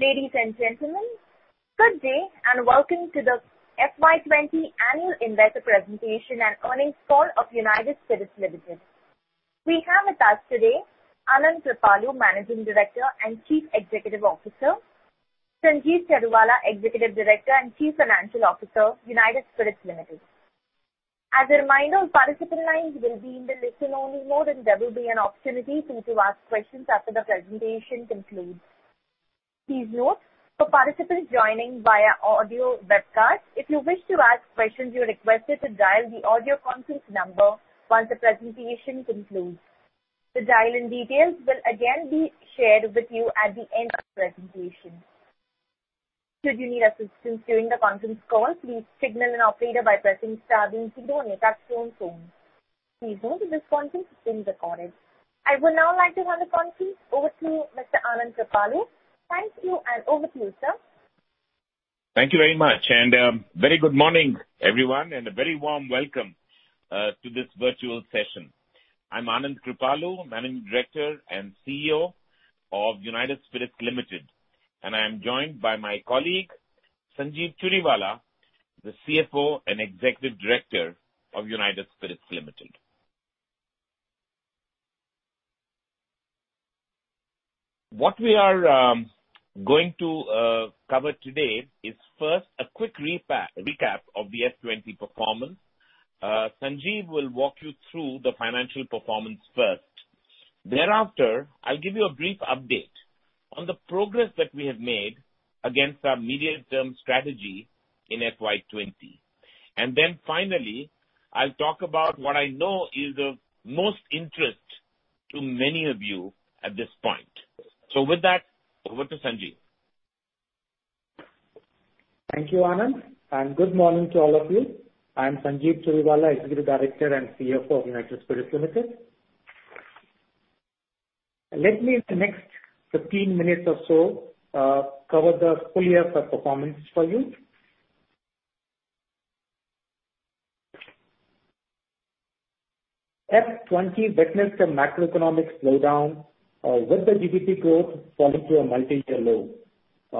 Ladies and gentlemen, good day and welcome to the FY20 Annual Investor Presentation and Earnings Call of United Spirits Limited. We have with us today Anand Kripalu, Managing Director and Chief Executive Officer; Sanjeev Churiwala, Executive Director and Chief Financial Officer, United Spirits Limited. As a reminder, participants' lines will be in the listen-only mode and there will be an opportunity for you to ask questions after the presentation concludes. Please note, for participants joining via audio webcast, if you wish to ask questions, you are requested to dial the audio conference number once the presentation concludes. The dial-in details will again be shared with you at the end of the presentation. Should you need assistance during the conference call, please signal an operator by pressing star, then signal on your touch-tone phone. Please note that this conference is being recorded. I would now like to hand the conference over to Mr. Anand Kripalu. Thank you, and over to you, sir. Thank you very much, and very good morning, everyone, and a very warm welcome to this virtual session. I'm Anand Kripalu, Managing Director and CEO of United Spirits Limited, and I am joined by my colleague, Sanjeev Churiwala, the CFO and Executive Director of United Spirits Limited. What we are going to cover today is first a quick recap of the FY20 performance. Sanjeev will walk you through the financial performance first. Thereafter, I'll give you a brief update on the progress that we have made against our medium-term strategy in FY20. And then finally, I'll talk about what I know is of most interest to many of you at this point. So with that, over to Sanjeev. Thank you, Anand, and good morning to all of you. I'm Sanjeev Churiwala, Executive Director and CFO of United Spirits Limited. Let me, in the next 15 minutes or so, cover the full year performance for you. FY20 witnessed a macroeconomic slowdown with the GDP growth falling to a multi-year low.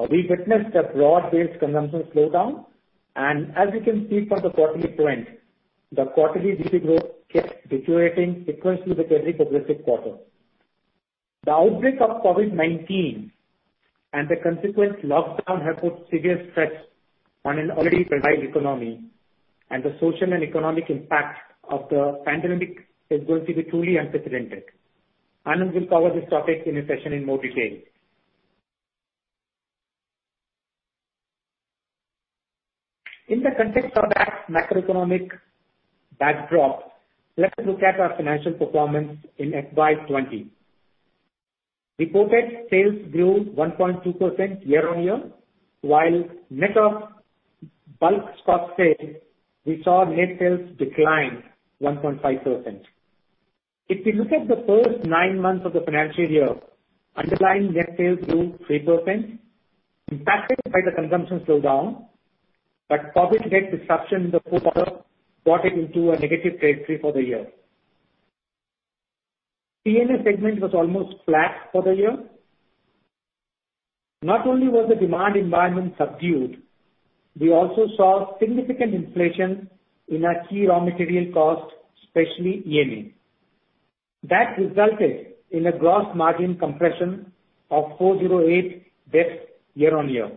We witnessed a broad-based consumption slowdown, and as you can see from the quarterly trend, the quarterly GDP growth kept deteriorating sequentially with every progressive quarter. The outbreak of COVID-19 and the consequent lockdown have put serious stress on an already fragile economy, and the social and economic impact of the pandemic is going to be truly unprecedented. Anand will cover this topic in a session in more detail. In the context of that macroeconomic backdrop, let's look at our financial performance in FY20. Reported sales grew 1.2% year-on-year, while net of bulk stock sales, we saw net sales decline 1.5%. If we look at the first nine months of the financial year, underlying net sales grew 3%, impacted by the consumption slowdown, but COVID-led disruption in the quarter brought it into a negative trajectory for the year. P&A segment was almost flat for the year. Not only was the demand environment subdued, we also saw significant inflation in our key raw material costs, especially ENA. That resulted in a gross margin compression of 408 basis points year-on-year.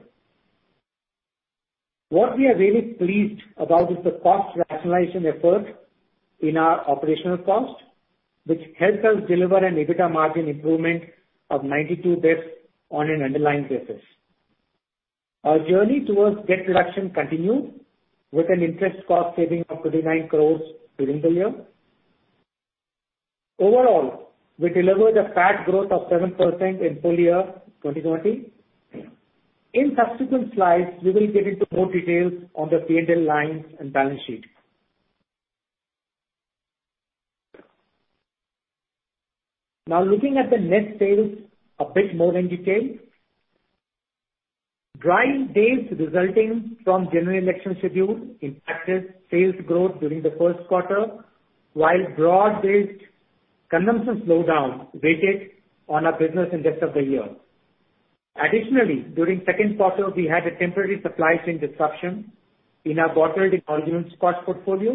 What we are really pleased about is the cost rationalization effort in our operational cost, which helped us deliver an EBITDA margin improvement of 92 basis points on an underlying basis. Our journey towards debt reduction continued with an interest cost saving of 29 crores during the year. Overall, we delivered a PAT growth of 7% in full year 2020. In subsequent slides, we will get into more details on the P&L lines and balance sheet. Now, looking at the net sales a bit more in detail, dry days resulting from the general election schedule impacted sales growth during the first quarter, while broad-based consumption slowdown rather on our business in the rest of the year. Additionally, during the second quarter, we had a temporary supply chain disruption in our BII and BIO stock portfolio.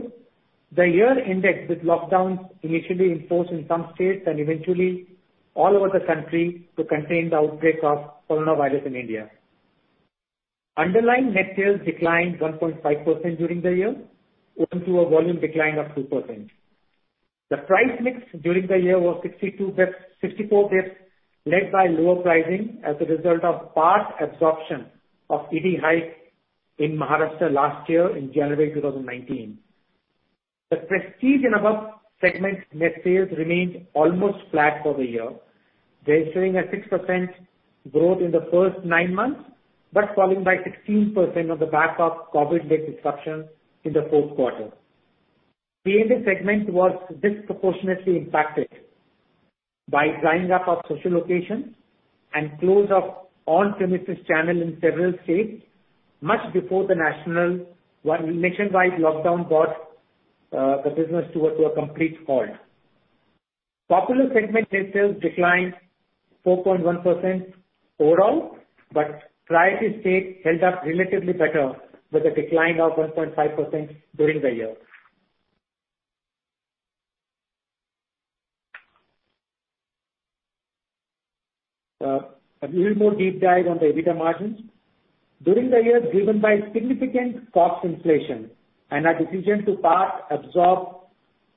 The year-end lockdowns initially enforced in some states and eventually all over the country to contain the outbreak of coronavirus in India. Underlying net sales declined 1.5% during the year, owing to a volume decline of 2%. The price mix during the year was 64 basis points, led by lower pricing as a result of part absorption of EDI hike in Maharashtra last year in January 2019. The prestige and above segment net sales remained almost flat for the year, registering a 6% growth in the first nine months, but falling by 16% on the back of COVID-led disruption in the fourth quarter. P&A segment was disproportionately impacted by drying up of social occasions and close of on-premises channel in several states much before the nationwide lockdown brought the business to a complete halt. Popular segment net sales declined 4.1% overall, but priority states held up relatively better with a decline of 1.5% during the year. A little more deep dive on the EBITDA margins. During the year, driven by significant cost inflation and our decision to partially absorb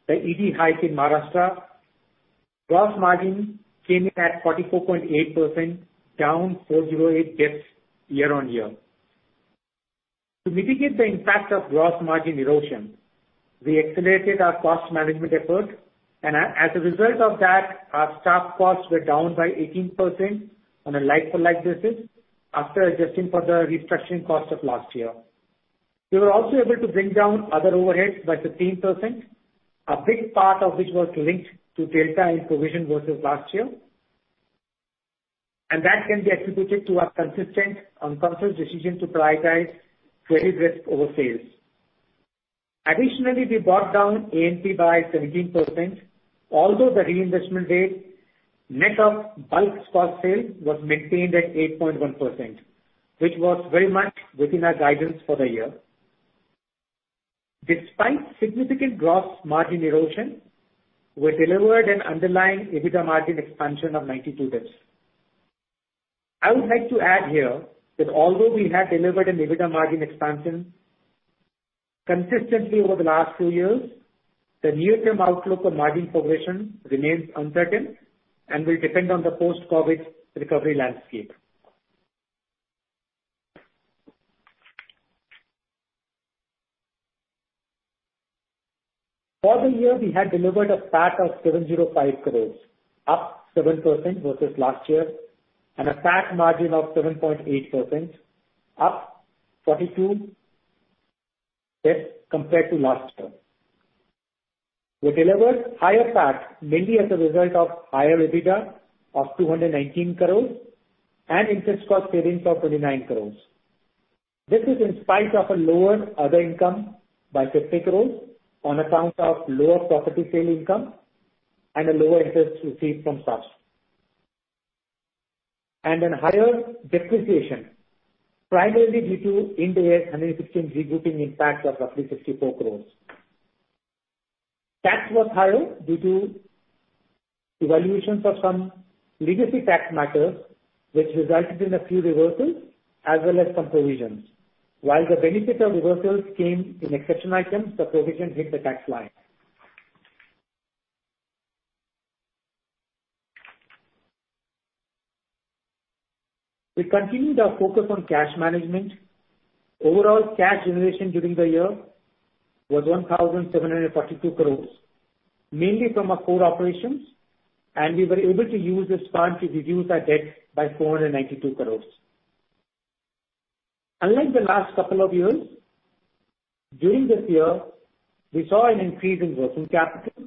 the EDI hike in Maharashtra, gross margin came in at 44.8%, down 408 basis points year-on-year. To mitigate the impact of gross margin erosion, we accelerated our cost management effort, and as a result of that, our staff costs were down by 18% on a like-for-like basis after adjusting for the restructuring cost of last year. We were also able to bring down other overheads by 15%, a big part of which was linked to delta in provision versus last year, and that can be attributed to our consistent conscious decision to prioritize credit risk over sales. Additionally, we brought down A&P by 17%, although the reinvestment rate, net of bulk stock sales, was maintained at 8.1%, which was very much within our guidance for the year. Despite significant gross margin erosion, we delivered an underlying EBITDA margin expansion of 92 basis points. I would like to add here that although we have delivered an EBITDA margin expansion consistently over the last few years, the near-term outlook for margin progression remains uncertain and will depend on the post-COVID recovery landscape. For the year, we had delivered a PAT of 705 crores, up 7% versus last year, and a PAT margin of 7.8%, up 42 basis points compared to last year. We delivered higher PAT, mainly as a result of higher EBITDA of 219 crores and interest cost savings of 29 crores. This is in spite of a lower other income by 50 crores on account of lower property sale income and a lower interest received from SAS and then higher depreciation, primarily due to Ind AS 116 regrouping impact of roughly 64 crores. Tax was higher due to evaluations of some legacy tax matters, which resulted in a few reversals as well as some provisions. While the benefit of reversals came in exception items, the provision hit the tax line. We continued our focus on cash management. Overall cash generation during the year was 1,742 crores, mainly from our core operations, and we were able to use this fund to reduce our debt by 492 crores. Unlike the last couple of years, during this year, we saw an increase in working capital.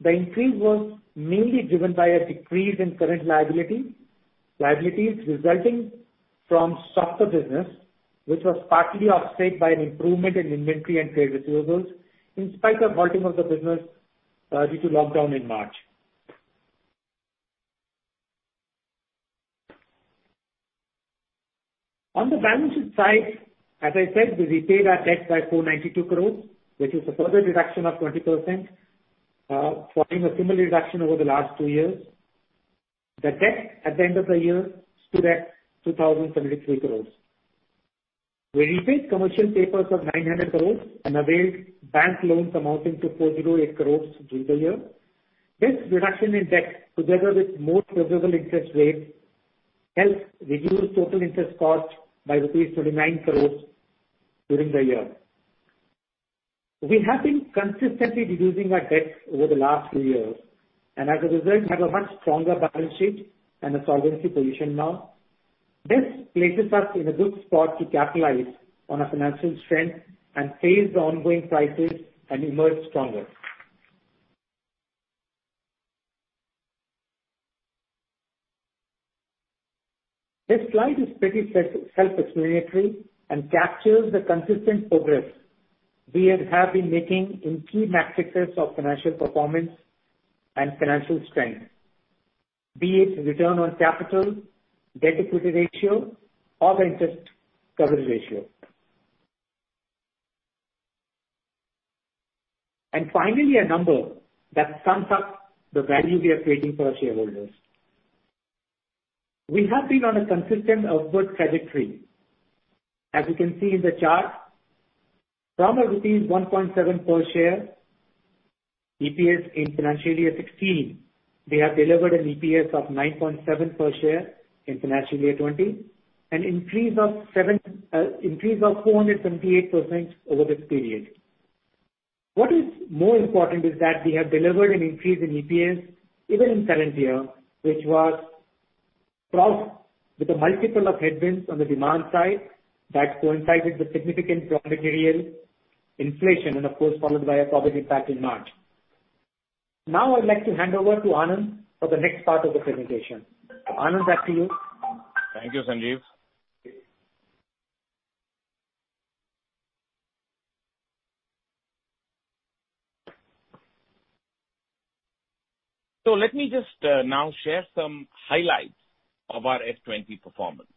The increase was mainly driven by a decrease in current liabilities resulting from stoppage of business, which was partly offset by an improvement in inventory and trade receivables in spite of halting of the business due to lockdown in March. On the balance sheet side, as I said, we repaid our debt by 492 crores, which is a further reduction of 20%, following a similar reduction over the last two years. The debt at the end of the year stood at 2,073 crores. We repaid commercial papers of 900 crores and availed bank loans amounting to 408 crores during the year. This reduction in debt, together with more favorable interest rates, helped reduce total interest cost by rupees 29 crores during the year. We have been consistently reducing our debts over the last few years, and as a result, have a much stronger balance sheet and a solvency position now. This places us in a good spot to capitalize on our financial strength and face the ongoing crisis and emerge stronger. This slide is pretty self-explanatory and captures the consistent progress we have been making in key metrics of financial performance and financial strength, be it return on capital, debt-equity ratio, or interest coverage ratio. And finally, a number that sums up the value we are creating for our shareholders. We have been on a consistent upward trajectory, as you can see in the chart. From a rupees 1.7 per share EPS in financial year 2016, we have delivered an EPS of 9.7 per share in financial year 2020, an increase of 478% over this period. What is more important is that we have delivered an increase in EPS even in current year, which was with a multiple of headwinds on the demand side that coincided with significant raw material inflation, and of course, followed by a COVID impact in March. Now, I'd like to hand over to Anand for the next part of the presentation. Anand, back to you. Thank you, Sanjeev, so let me just now share some highlights of our FY20 performance.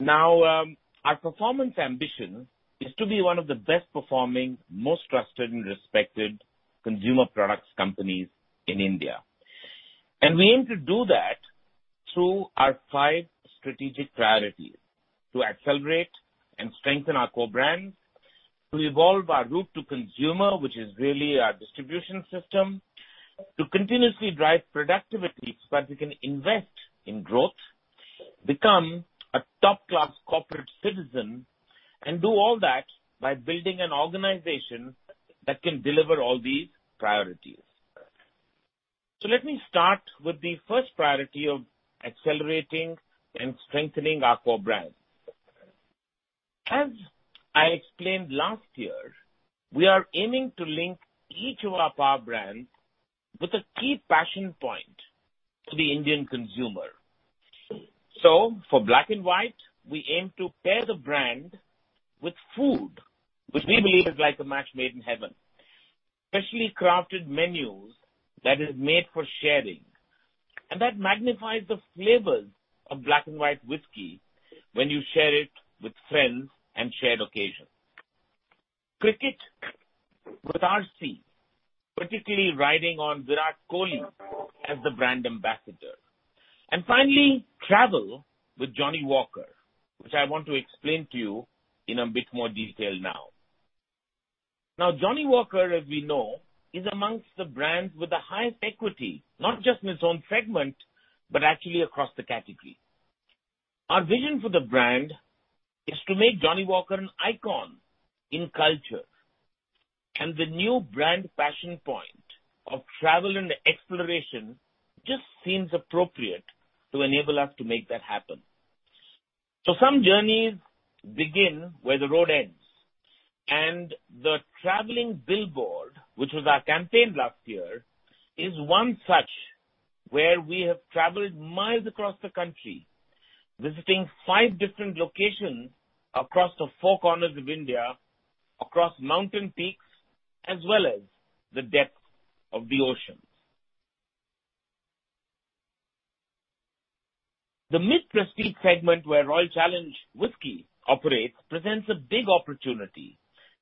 Now, our performance ambition is to be one of the best-performing, most trusted, and respected consumer products companies in India, and we aim to do that through our five strategic priorities: to accelerate and strengthen our core brands, to evolve our route to consumer, which is really our distribution system, to continuously drive productivity so that we can invest in growth, become a top-class corporate citizen, and do all that by building an organization that can deliver all these priorities, so let me start with the first priority of accelerating and strengthening our core brand. As I explained last year, we are aiming to link each of our power brands with a key passion point to the Indian consumer. For Black & White, we aim to pair the brand with food, which we believe is like a match made in heaven, specially crafted menus that are made for sharing. And that magnifies the flavors of Black & White whisky when you share it with friends and shared occasions. Cricket with RC, particularly riding on Virat Kohli as the brand ambassador. And finally, travel with Johnnie Walker, which I want to explain to you in a bit more detail now. Now, Johnnie Walker, as we know, is amongst the brands with the highest equity, not just in its own segment, but actually across the category. Our vision for the brand is to make Johnnie Walker an icon in culture. And the new brand passion point of travel and exploration just seems appropriate to enable us to make that happen. So some journeys begin where the road ends. And the Traveling Billboard, which was our campaign last year, is one such where we have traveled miles across the country, visiting five different locations across the four corners of India, across mountain peaks, as well as the depth of the oceans. The mid-prestige segment where Royal Challenge whisky operates presents a big opportunity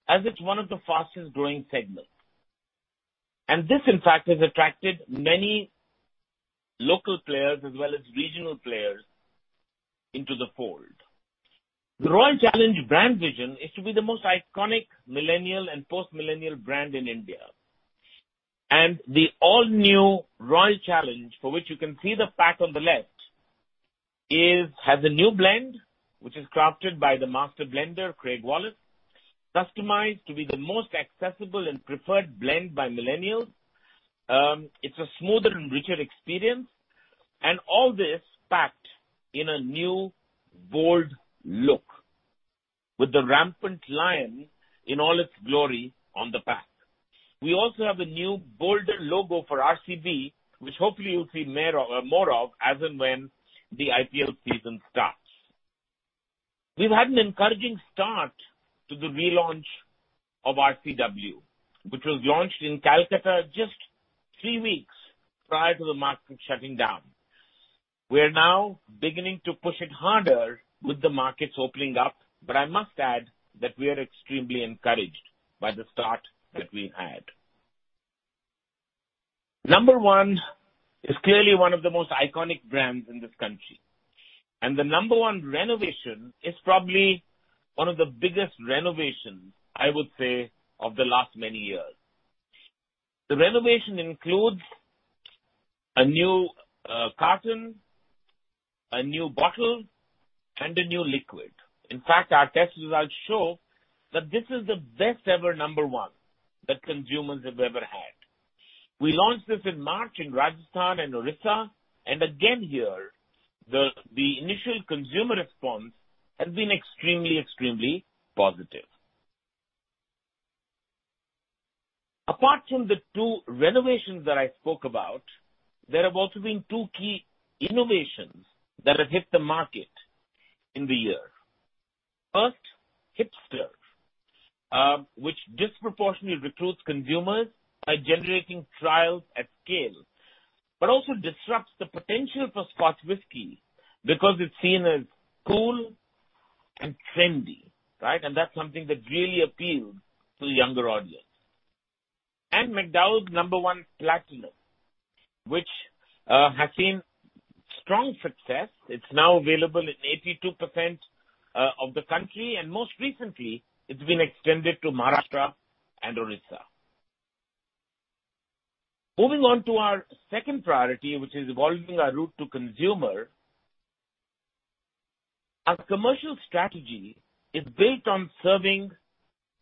as it's one of the fastest-growing segments. And this, in fact, has attracted many local players as well as regional players into the fold. The Royal Challenge brand vision is to be the most iconic millennial and post-millennial brand in India. And the all-new Royal Challenge, for which you can see the ad on the left, has a new blend, which is crafted by the master blender, Craig Wallace, customized to be the most accessible and preferred blend by millennials. It's a smoother and richer experience. All this packed in a new bold look with the rampant lion in all its glory on the back. We also have a new bolder logo for RCB, which hopefully you'll see more of as and when the IPL season starts. We've had an encouraging start to the relaunch of RCW, which was launched in Calcutta just three weeks prior to the market shutting down. We are now beginning to push it harder with the markets opening up, but I must add that we are extremely encouraged by the start that we had. Number one is clearly one of the most iconic brands in this country. The Number One renovation is probably one of the biggest renovations, I would say, of the last many years. The renovation includes a new carton, a new bottle, and a new liquid. In fact, our test results show that this is the best-ever Number One that consumers have ever had. We launched this in March in Rajasthan and Odisha, and again here, the initial consumer response has been extremely, extremely positive. Apart from the two renovations that I spoke about, there have also been two key innovations that have hit the market in the year. First, Hipster, which disproportionately recruits consumers by generating trials at scale, but also disrupts the potential for scotch whiskey because it's seen as cool and trendy, right, and that's something that really appeals to the younger audience, and McDowell's Number One Platinum, which has seen strong success. It's now available in 82% of the country, and most recently, it's been extended to Maharashtra and Odisha. Moving on to our second priority, which is evolving our route to consumer, our commercial strategy is built on serving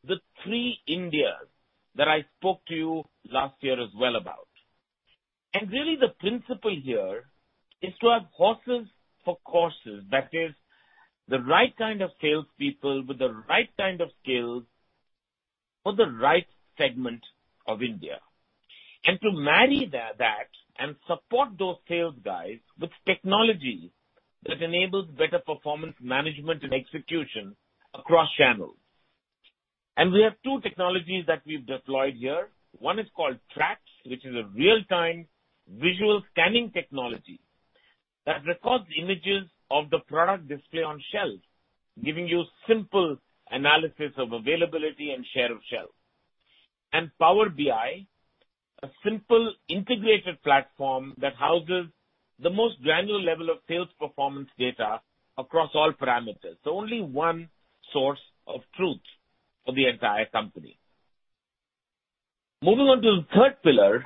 the three Indias that I spoke to you last year as well about. And really, the principle here is to have horses for courses, that is, the right kind of salespeople with the right kind of skills for the right segment of India. And to marry that and support those sales guys with technology that enables better performance management and execution across channels. And we have two technologies that we've deployed here. One is called Trax, which is a real-time visual scanning technology that records images of the product display on shelf, giving you simple analysis of availability and share of shelf. And Power BI, a simple integrated platform that houses the most granular level of sales performance data across all parameters. So only one source of truth for the entire company. Moving on to the third pillar,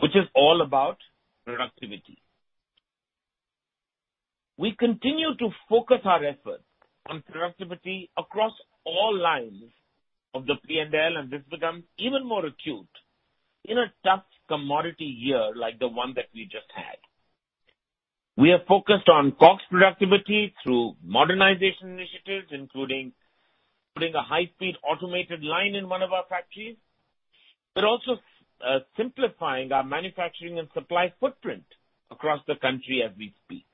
which is all about productivity. We continue to focus our efforts on productivity across all lines of the P&L, and this becomes even more acute in a tough commodity year like the one that we just had. We are focused on COGS productivity through modernization initiatives, including putting a high-speed automated line in one of our factories, but also simplifying our manufacturing and supply footprint across the country as we speak.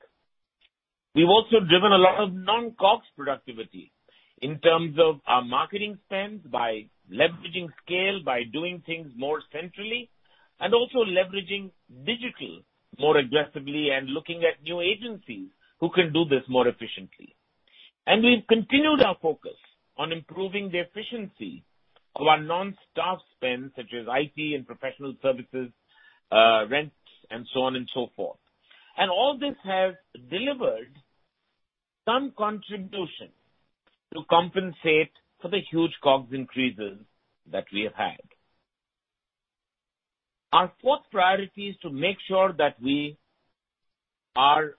We've also driven a lot of non-COGS productivity in terms of our marketing spend by leveraging scale, by doing things more centrally, and also leveraging digital more aggressively and looking at new agencies who can do this more efficiently. And we've continued our focus on improving the efficiency of our non-staff spend, such as IT and professional services, rent, and so on and so forth. And all this has delivered some contribution to compensate for the huge COGS increases that we have had. Our fourth priority is to make sure that we are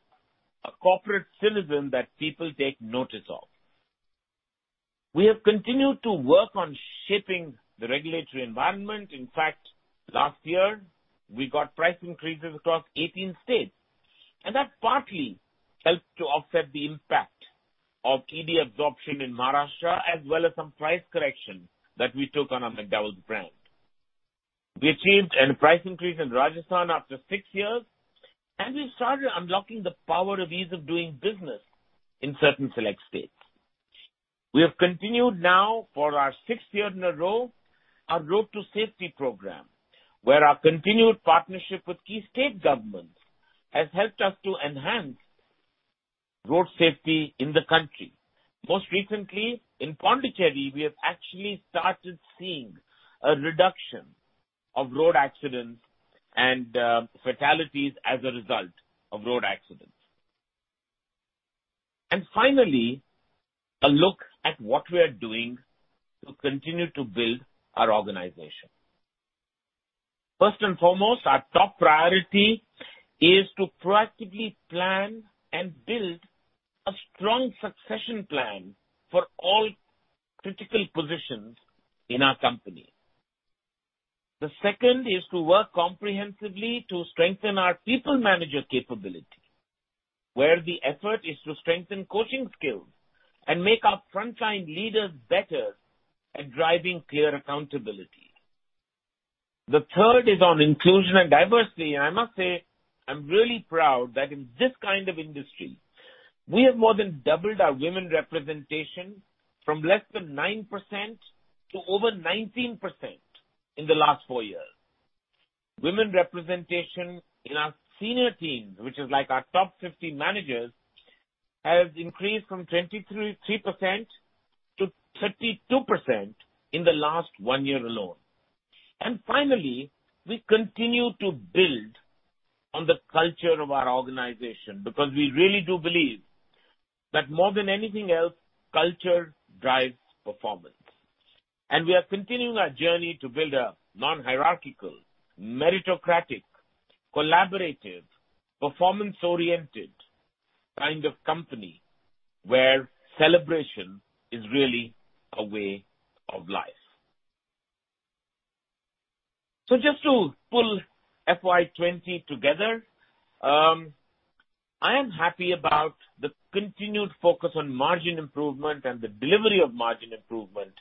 a corporate citizen that people take notice of. We have continued to work on shaping the regulatory environment. In fact, last year, we got price increases across 18 states. And that partly helped to offset the impact of ED absorption in Maharashtra, as well as some price correction that we took on our McDowell's brand. We achieved a price increase in Rajasthan after six years, and we started unlocking the power of ease of doing business in certain select states. We have continued now, for our sixth year in a row, our road to safety program, where our continued partnership with key state governments has helped us to enhance road safety in the country. Most recently, in Puducherry, we have actually started seeing a reduction of road accidents and fatalities as a result of road accidents. And finally, a look at what we are doing to continue to build our organization. First and foremost, our top priority is to proactively plan and build a strong succession plan for all critical positions in our company. The second is to work comprehensively to strengthen our people manager capability, where the effort is to strengthen coaching skills and make our frontline leaders better at driving clear accountability. The third is on inclusion and diversity. I must say, I'm really proud that in this kind of industry, we have more than doubled our women representation from less than 9% to over 19% in the last four years. Women representation in our senior teams, which is like our top 50 managers, has increased from 23%-32% in the last one year alone. Finally, we continue to build on the culture of our organization because we really do believe that more than anything else, culture drives performance. We are continuing our journey to build a non-hierarchical, meritocratic, collaborative, performance-oriented kind of company where celebration is really a way of life. Just to pull FY20 together, I am happy about the continued focus on margin improvement and the delivery of margin improvement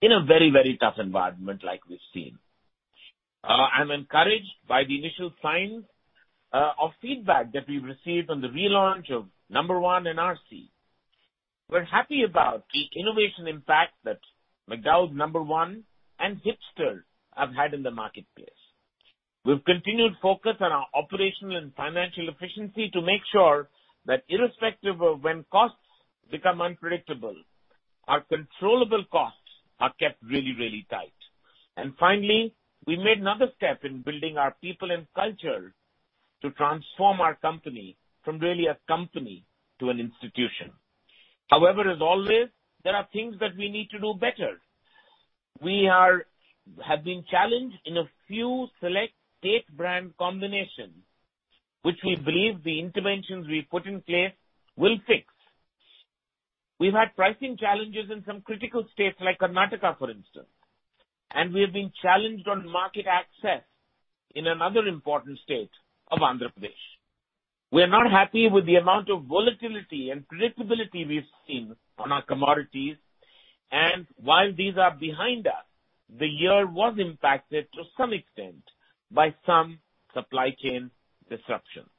in a very, very tough environment like we've seen. I'm encouraged by the initial signs of feedback that we've received on the relaunch of No. 1 and RC. We're happy about the innovation impact that McDowell's No. 1 and Hipster have had in the marketplace. We've continued focus on our operational and financial efficiency to make sure that irrespective of when costs become unpredictable, our controllable costs are kept really, really tight. And finally, we made another step in building our people and culture to transform our company from really a company to an institution. However, as always, there are things that we need to do better. We have been challenged in a few select state brand combinations, which we believe the interventions we put in place will fix. We've had pricing challenges in some critical states like Karnataka, for instance. And we have been challenged on market access in another important state of Andhra Pradesh. We are not happy with the amount of volatility and predictability we've seen on our commodities. And while these are behind us, the year was impacted to some extent by some supply chain disruptions.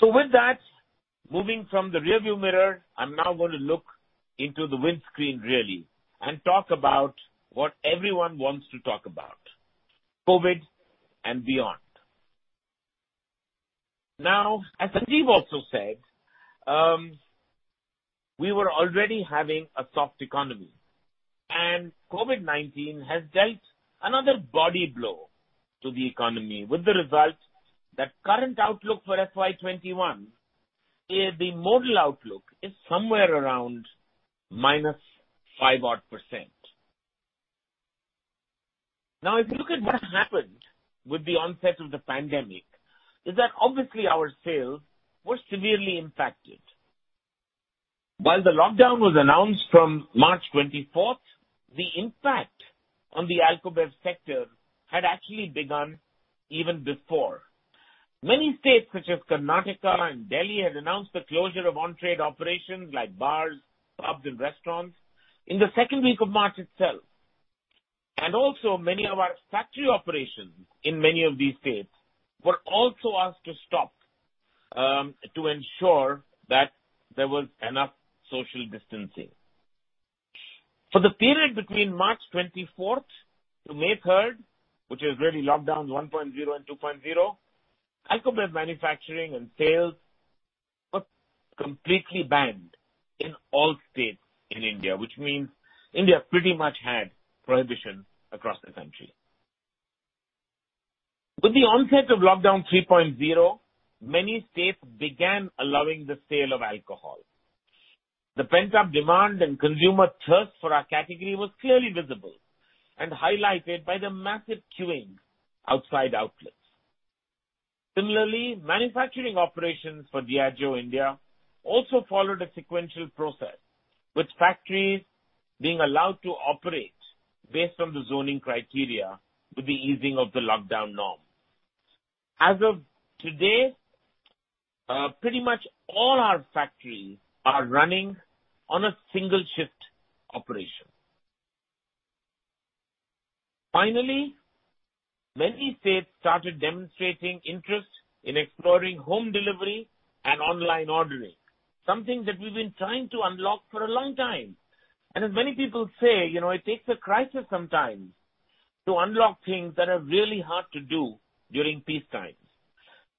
So with that, moving from the rearview mirror, I'm now going to look into the windscreen really and talk about what everyone wants to talk about: COVID and beyond. Now, as Sanjeev also said, we were already having a soft economy. And COVID-19 has dealt another body blow to the economy with the result that current outlook for FY21, the model outlook, is somewhere around minus 5-odd%. Now, if you look at what happened with the onset of the pandemic, is that obviously our sales were severely impacted. While the lockdown was announced from March 24th, the impact on the alcobev sector had actually begun even before. Many states such as Karnataka and Delhi had announced the closure of on-trade operations like bars, pubs, and restaurants in the second week of March itself, and also, many of our factory operations in many of these states were also asked to stop to ensure that there was enough social distancing. For the period between March 24th to May 3rd, which is really lockdown 1.0 and 2.0, Alcobev manufacturing and sales were completely banned in all states in India, which means India pretty much had prohibition across the country. With the onset of lockdown 3.0, many states began allowing the sale of alcohol. The pent-up demand and consumer thirst for our category was clearly visible and highlighted by the massive queuing outside outlets. Similarly, manufacturing operations for Diageo India also followed a sequential process, with factories being allowed to operate based on the zoning criteria with the easing of the lockdown norm. As of today, pretty much all our factories are running on a single-shift operation. Finally, many states started demonstrating interest in exploring home delivery and online ordering, something that we've been trying to unlock for a long time, and as many people say, it takes a crisis sometimes to unlock things that are really hard to do during peacetime,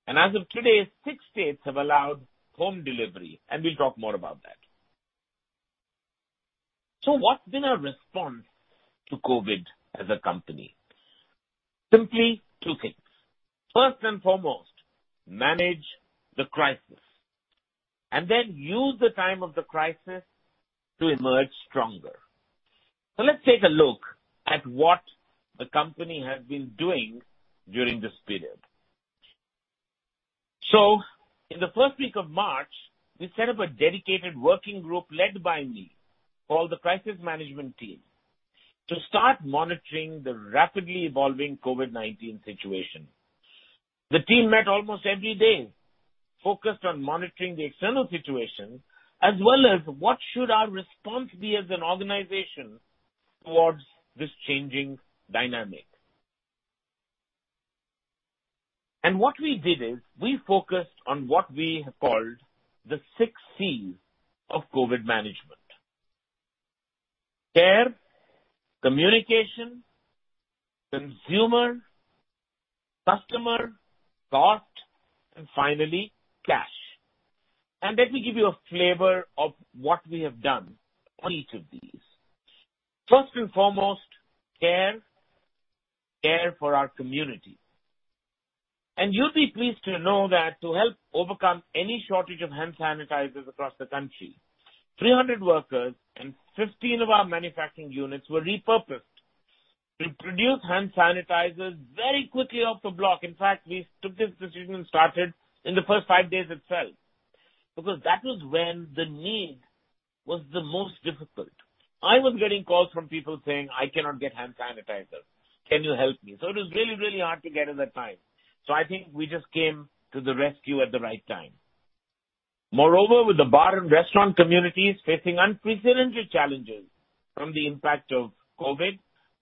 and as of today, six states have allowed home delivery, and we'll talk more about that, so what's been our response to COVID as a company? Simply two things. First and foremost, manage the crisis, and then use the time of the crisis to emerge stronger, so let's take a look at what the company has been doing during this period. In the first week of March, we set up a dedicated working group led by me called the Crisis Management Team to start monitoring the rapidly evolving COVID-19 situation. The team met almost every day, focused on monitoring the external situation as well as what should our response be as an organization towards this changing dynamic. What we did is we focused on what we have called the six C's of COVID management: care, communication, consumer, customer, cost, and finally, cash. Let me give you a flavor of what we have done on each of these. First and foremost, care, care for our community. You'll be pleased to know that to help overcome any shortage of hand sanitizers across the country, 300 workers and 15 of our manufacturing units were repurposed to produce hand sanitizers very quickly off the block. In fact, we took this decision and started in the first five days itself because that was when the need was the most difficult. I was getting calls from people saying, "I cannot get hand sanitizer. Can you help me?" So it was really, really hard to get at that time. So I think we just came to the rescue at the right time. Moreover, with the bar and restaurant communities facing unprecedented challenges from the impact of COVID,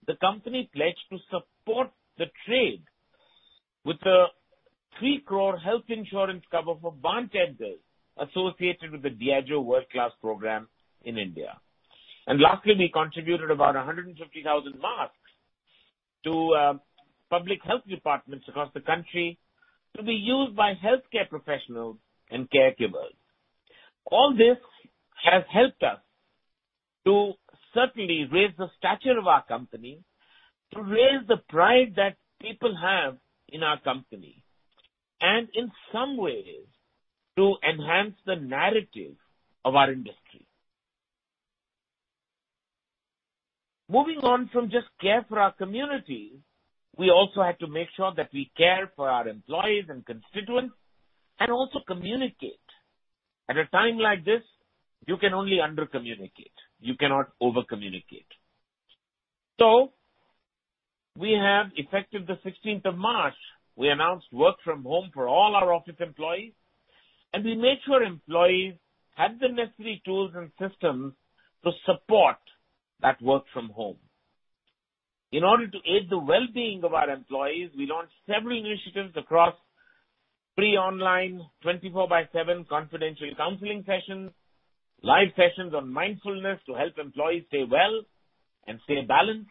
the company pledged to support the trade with an 3 crore health insurance cover for bartenders associated with the Diageo World Class program in India, and lastly, we contributed about 150,000 masks to public health departments across the country to be used by healthcare professionals and caregivers. All this has helped us to certainly raise the stature of our company, to raise the pride that people have in our company, and in some ways, to enhance the narrative of our industry. Moving on from just care for our communities, we also had to make sure that we care for our employees and constituents and also communicate. At a time like this, you can only under-communicate. You cannot over-communicate. So, effective the 16th of March, we announced work from home for all our office employees. And we made sure employees had the necessary tools and systems to support that work from home. In order to aid the well-being of our employees, we launched several initiatives across our online 24x7 confidential counseling sessions, live sessions on mindfulness to help employees stay well and stay balanced,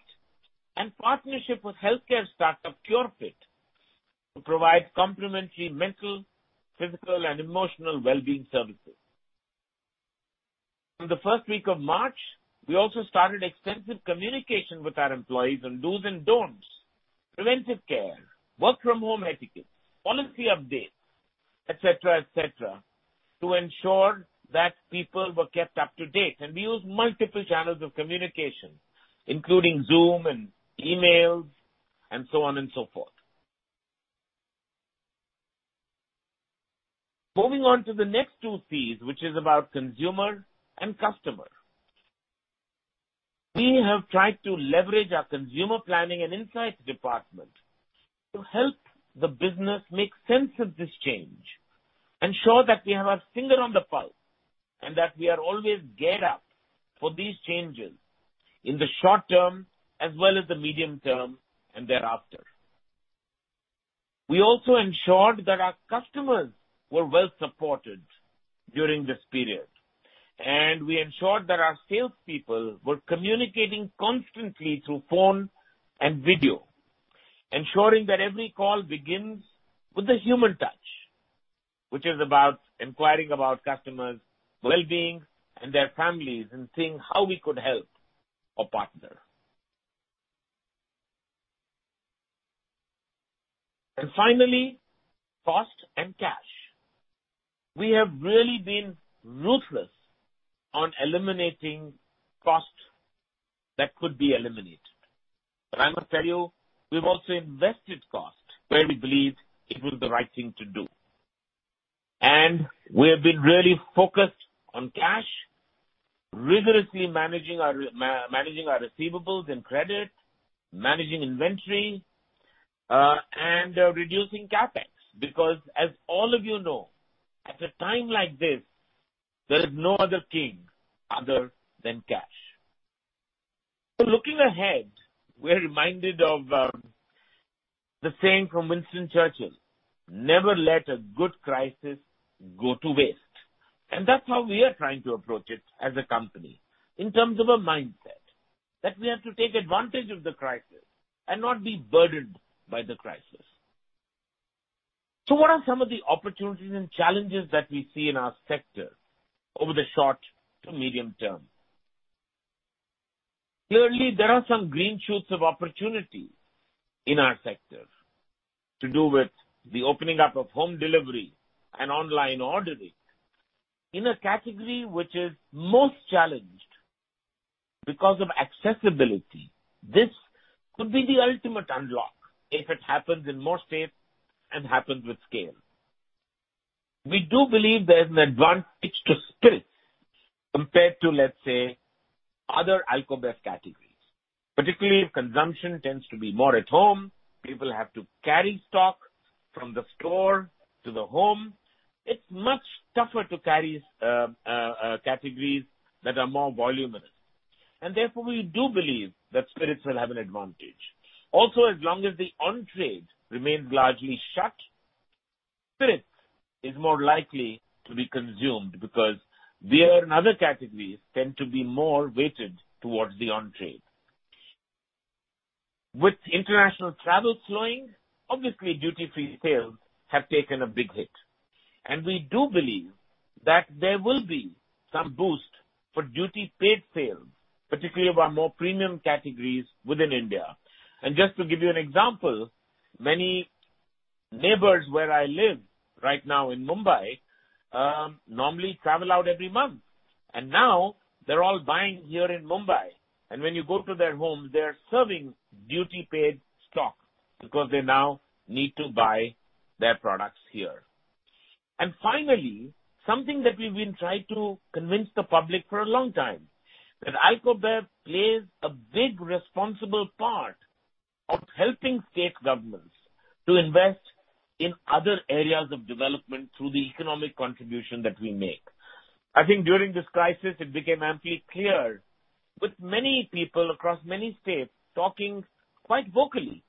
and partnership with healthcare startup Cure.fit to provide complementary mental, physical, and emotional well-being services. In the first week of March, we also started extensive communication with our employees on dos and don'ts, preventive care, work-from-home etiquette, policy updates, etc., etc., to ensure that people were kept up to date, and we used multiple channels of communication, including Zoom and emails and so on and so forth. Moving on to the next two C's, which is about consumer and customer. We have tried to leverage our consumer planning and insights department to help the business make sense of this change and show that we have our finger on the pulse and that we are always geared up for these changes in the short term as well as the medium term and thereafter. We also ensured that our customers were well supported during this period, and we ensured that our salespeople were communicating constantly through phone and video, ensuring that every call begins with a human touch, which is about inquiring about customers' well-being and their families and seeing how we could help or partner, and finally, cost and cash. We have really been ruthless on eliminating cost that could be eliminated, but I must tell you, we've also invested cost where we believe it was the right thing to do. And we have been really focused on cash, rigorously managing our receivables and credit, managing inventory, and reducing CapEx because, as all of you know, at a time like this, there is no other king other than cash. So looking ahead, we're reminded of the saying from Winston Churchill, "Never let a good crisis go to waste." And that's how we are trying to approach it as a company in terms of a mindset that we have to take advantage of the crisis and not be burdened by the crisis. So what are some of the opportunities and challenges that we see in our sector over the short to medium term? Clearly, there are some green shoots of opportunity in our sector to do with the opening up of home delivery and online ordering in a category which is most challenged because of accessibility. This could be the ultimate unlock if it happens in more states and happens with scale. We do believe there is an advantage to spirits compared to, let's say, other alcobev categories, particularly if consumption tends to be more at home. People have to carry stock from the store to the home. It's much tougher to carry categories that are more voluminous. And therefore, we do believe that spirits will have an advantage. Also, as long as the on-trade remains largely shut, spirits is more likely to be consumed because beer and other categories tend to be more weighted towards the on-trade. With international travel slowing, obviously, duty-free sales have taken a big hit. And we do believe that there will be some boost for duty-paid sales, particularly of our more premium categories within India. And just to give you an example, many neighbors where I live right now in Mumbai normally travel out every month. And now they're all buying here in Mumbai. And when you go to their homes, they're serving duty-paid stock because they now need to buy their products here. And finally, something that we've been trying to convince the public for a long time is that Alcobev plays a big responsible part of helping state governments to invest in other areas of development through the economic contribution that we make. I think during this crisis, it became amply clear with many people across many states talking quite vocally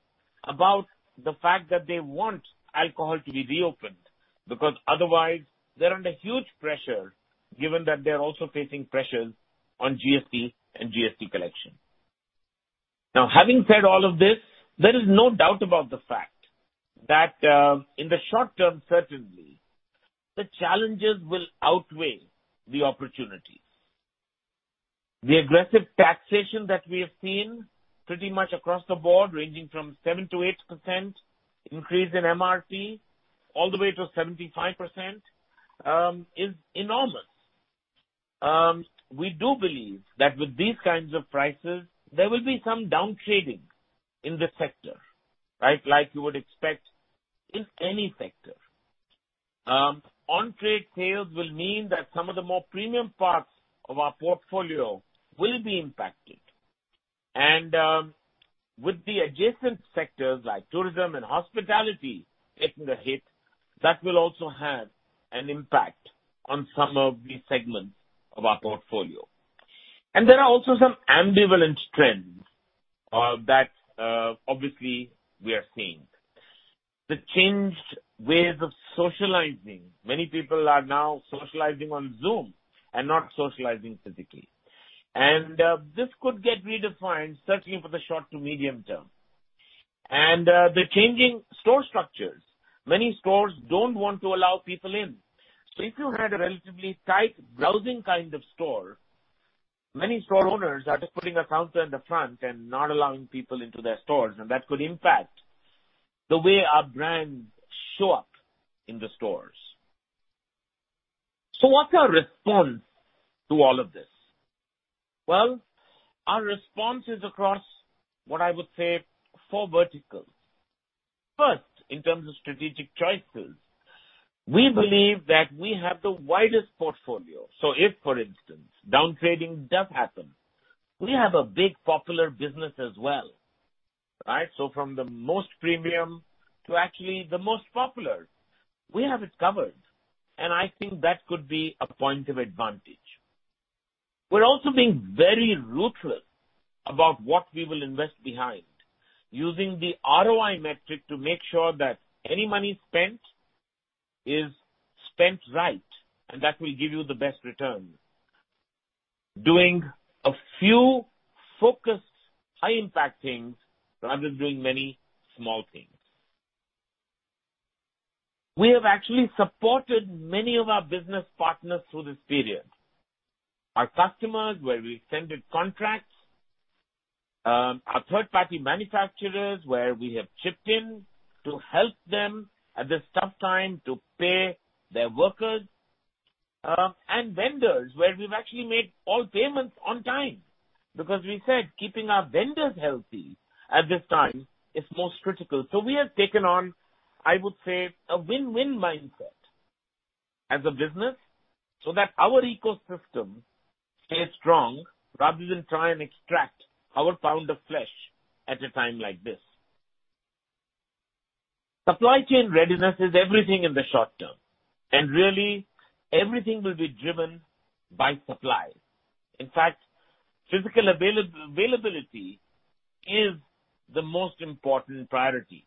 about the fact that they want alcohol to be reopened because otherwise they're under huge pressure given that they're also facing pressures on GST and GST collection. Now, having said all of this, there is no doubt about the fact that in the short term, certainly, the challenges will outweigh the opportunities. The aggressive taxation that we have seen pretty much across the board, ranging from 7%-8% increase in MRP all the way to 75%, is enormous. We do believe that with these kinds of prices, there will be some downtrading in the sector, right, like you would expect in any sector. On-trade sales will mean that some of the more premium parts of our portfolio will be impacted. And with the adjacent sectors like tourism and hospitality taking a hit, that will also have an impact on some of the segments of our portfolio. And there are also some ambivalent trends that obviously we are seeing. The changed ways of socializing. Many people are now socializing on Zoom and not socializing physically. This could get redefined, certainly for the short to medium term, and the changing store structures. Many stores don't want to allow people in. So if you had a relatively tight browsing kind of store, many store owners are just putting a counter in the front and not allowing people into their stores. And that could impact the way our brands show up in the stores. So what's our response to all of this? Well, our response is across what I would say four verticals. First, in terms of strategic choices, we believe that we have the widest portfolio. So if, for instance, downtrading does happen, we have a big popular business as well, right? So from the most premium to actually the most popular, we have it covered. And I think that could be a point of advantage. We're also being very ruthless about what we will invest behind, using the ROI metric to make sure that any money spent is spent right, and that will give you the best return, doing a few focused, high-impact things rather than doing many small things. We have actually supported many of our business partners through this period. Our customers where we extended contracts, our third-party manufacturers where we have chipped in to help them at this tough time to pay their workers, and vendors where we've actually made all payments on time because we said keeping our vendors healthy at this time is most critical. So we have taken on, I would say, a win-win mindset as a business so that our ecosystem stays strong rather than try and extract our pound of flesh at a time like this. Supply chain readiness is everything in the short term. Really, everything will be driven by supply. In fact, physical availability is the most important priority.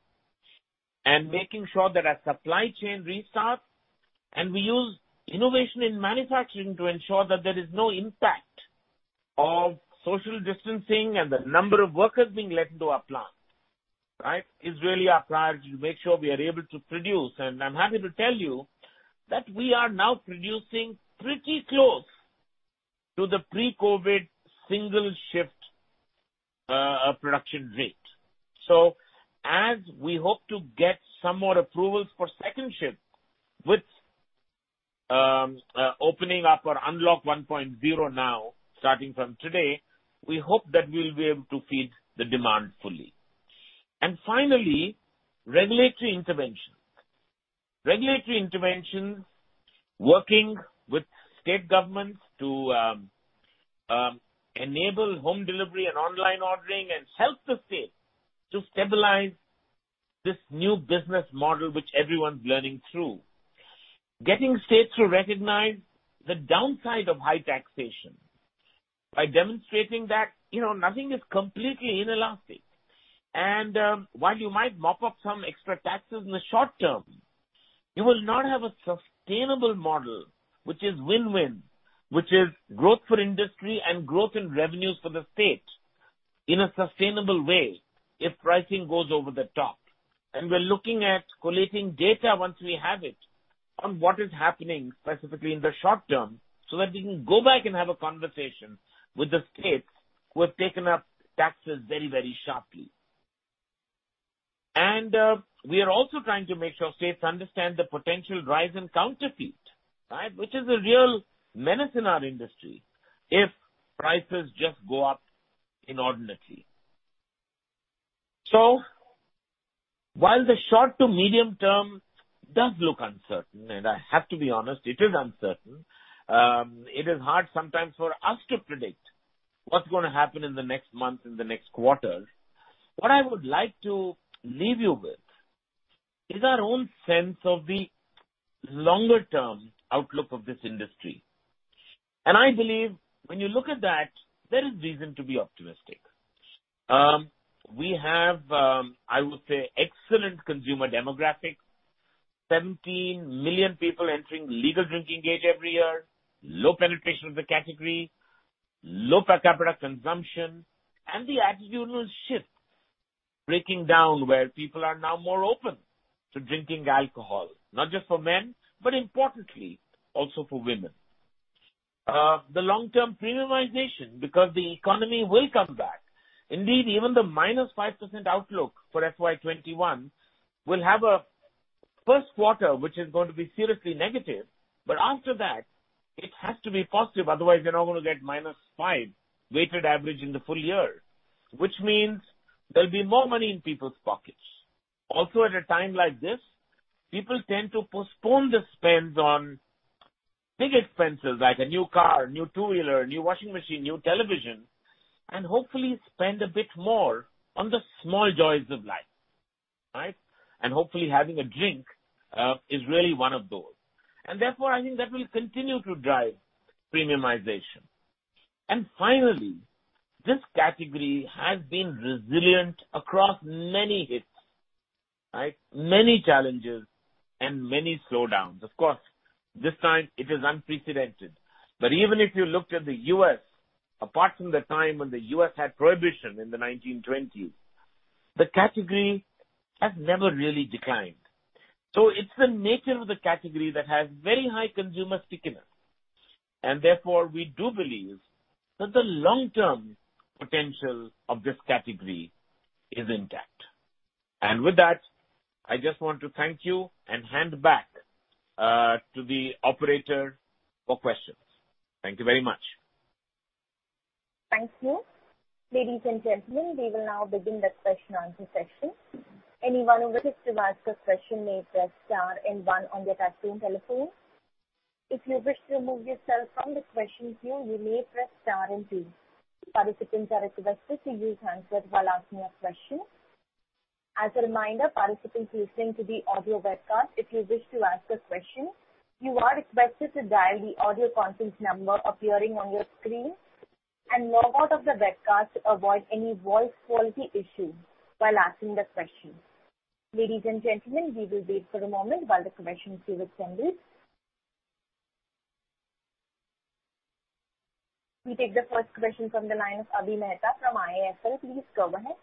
Making sure that our supply chain restarts and we use innovation in manufacturing to ensure that there is no impact of social distancing and the number of workers being let into our plant, right, is really our priority to make sure we are able to produce. I'm happy to tell you that we are now producing pretty close to the pre-COVID single shift production rate. As we hope to get some more approvals for second shift with opening up our unlock 1.0 now, starting from today, we hope that we'll be able to feed the demand fully. Finally, regulatory intervention. Regulatory interventions, working with state governments to enable home delivery and online ordering and help the state to stabilize this new business model which everyone's learning through. Getting states to recognize the downside of high taxation by demonstrating that nothing is completely inelastic. And while you might mop up some extra taxes in the short term, you will not have a sustainable model, which is win-win, which is growth for industry and growth in revenues for the state in a sustainable way if pricing goes over the top. And we're looking at collating data once we have it on what is happening specifically in the short term so that we can go back and have a conversation with the states who have taken up taxes very, very sharply. And we are also trying to make sure states understand the potential rise in counterfeit, right, which is a real menace in our industry if prices just go up inordinately. So while the short to medium term does look uncertain, and I have to be honest, it is uncertain, it is hard sometimes for us to predict what's going to happen in the next month, in the next quarter. What I would like to leave you with is our own sense of the longer-term outlook of this industry. And I believe when you look at that, there is reason to be optimistic. We have, I would say, excellent consumer demographics, 17 million people entering legal drinking age every year, low penetration of the category, low per capita consumption, and the attitudinal shift breaking down where people are now more open to drinking alcohol, not just for men, but importantly, also for women. The long-term premiumization because the economy will come back. Indeed, even the -5% outlook for FY21 will have a first quarter which is going to be seriously negative, but after that, it has to be positive. Otherwise, you're not going to get -5 weighted average in the full year, which means there'll be more money in people's pockets. Also, at a time like this, people tend to postpone the spends on big expenses like a new car, new two-wheeler, new washing machine, new television, and hopefully spend a bit more on the small joys of life, right, and hopefully, having a drink is really one of those, and therefore, I think that will continue to drive premiumization, and finally, this category has been resilient across many hits, right, many challenges, and many slowdowns. Of course, this time, it is unprecedented. But even if you looked at the U.S., apart from the time when the U.S. had prohibition in the 1920s, the category has never really declined. So it's the nature of the category that has very high consumer stickiness. And therefore, we do believe that the long-term potential of this category is intact. And with that, I just want to thank you and hand back to the operator for questions. Thank you very much. Thank you. Ladies and gentlemen, we will now begin the question-answer session. Anyone who wishes to ask a question may press star and one on their touch-tone telephone. If you wish to remove yourself from the question queue, you may press star and two. Participants are requested to use handsets while asking a question. As a reminder, participants listening to the audio webcast, if you wish to ask a question, you are requested to dial the audio conference number appearing on your screen and log out of the webcast to avoid any voice quality issues while asking the question. Ladies and gentlemen, we will wait for a moment while the questions are resent. We take the first question from the line of Avi Mehta from IIFL. Please go ahead.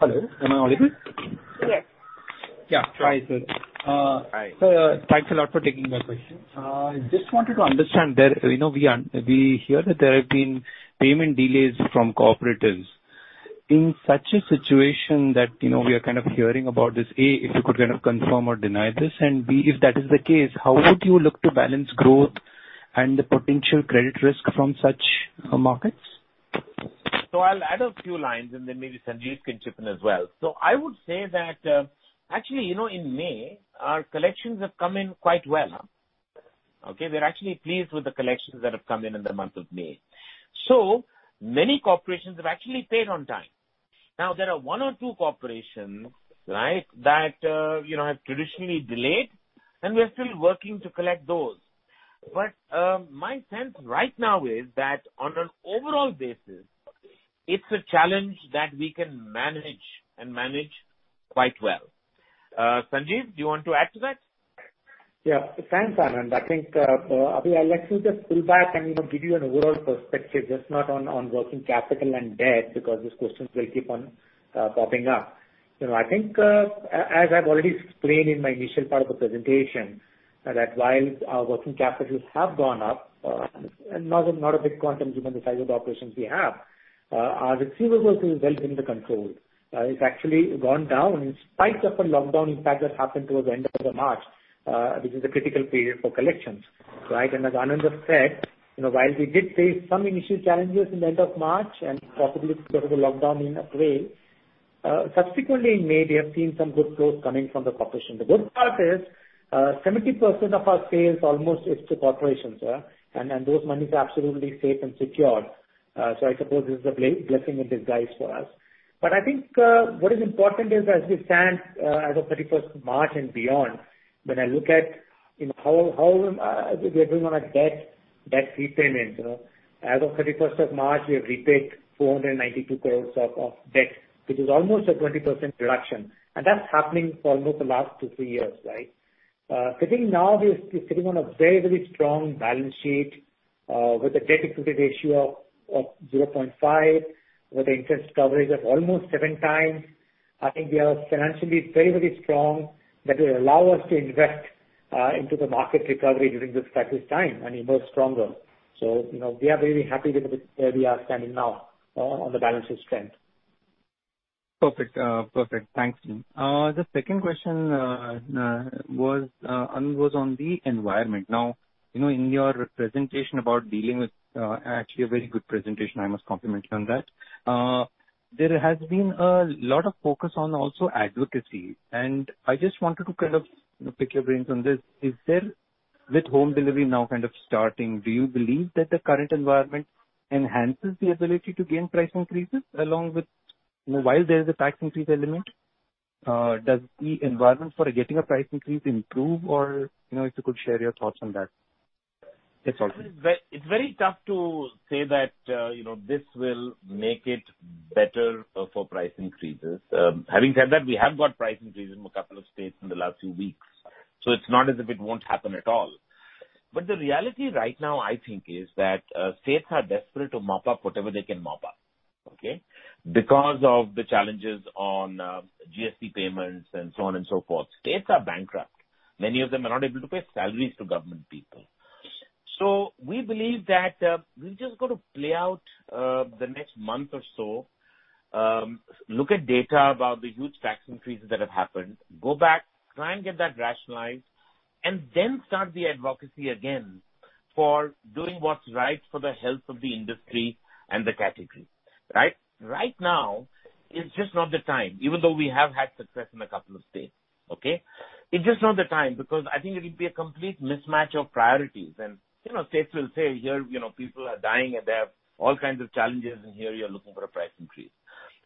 Hello. Am I audible? Yes. Yeah. Sorry. So thanks a lot for taking the question. I just wanted to understand. We hear that there have been payment delays from cooperatives. In such a situation that we are kind of hearing about this, A, if you could kind of confirm or deny this, and B, if that is the case, how would you look to balance growth and the potential credit risk from such markets? I'll add a few lines and then maybe Sanjeev can chip in as well. I would say that actually, in May, our collections have come in quite well. Okay? We're actually pleased with the collections that have come in in the month of May. So many corporations have actually paid on time. Now, there are one or two corporations, right, that have traditionally delayed, and we're still working to collect those. But my sense right now is that on an overall basis, it's a challenge that we can manage and manage quite well. Sanjeev, do you want to add to that? Yeah. Thanks, Anand. I think, Avi, I'll actually just pull back and give you an overall perspective, just not on working capital and debt because these questions will keep on popping up. I think, as I've already explained in my initial part of the presentation, that while our working capital have gone up, not a big quantum given the size of the operations we have, our receivables is well in the control. It's actually gone down in spite of the lockdown impact that happened towards the end of March, which is a critical period for collections, right? And as Anand has said, while we did face some initial challenges in the end of March and possibly because of the lockdown in a way, subsequently in May, we have seen some good growth coming from the corporations. The good part is 70% of our sales almost is to corporations, and those monies are absolutely safe and secure. So I suppose this is a blessing in disguise for us. But I think what is important is as we stand as of 31st March and beyond, when I look at how we are doing on our debt repayments, as of 31st of March, we have repaid 492 crores of debt, which is almost a 20% reduction. And that's happening for almost the last two, three years, right? I think now we're sitting on a very, very strong balance sheet with a debt-to-credit ratio of 0.5, with an interest coverage of almost seven times. I think we are financially very, very strong that will allow us to invest into the market recovery during this crisis time and emerge stronger. So we are very happy with where we are standing now on the balance of strength. Perfect. Perfect. Thanks, team. The second question was on the environment. Now, in your presentation about dealing with actually a very good presentation. I must compliment you on that. There has been a lot of focus on also advocacy, and I just wanted to kind of pick your brains on this. With home delivery now kind of starting, do you believe that the current environment enhances the ability to gain price increases along with while there is a tax increase element? Does the environment for getting a price increase improve? Or if you could share your thoughts on that. It's all good. It's very tough to say that this will make it better for price increases. Having said that, we have got price increases in a couple of states in the last few weeks, so it's not as if it won't happen at all. But the reality right now, I think, is that states are desperate to mop up whatever they can mop up, okay, because of the challenges on GST payments and so on and so forth. States are bankrupt. Many of them are not able to pay salaries to government people. So we believe that we're just going to play out the next month or so, look at data about the huge tax increases that have happened, go back, try and get that rationalized, and then start the advocacy again for doing what's right for the health of the industry and the category, right? Right now, it's just not the time, even though we have had success in a couple of states, okay? It's just not the time because I think it would be a complete mismatch of priorities. States will say, "Here, people are dying, and they have all kinds of challenges, and here you're looking for a price increase."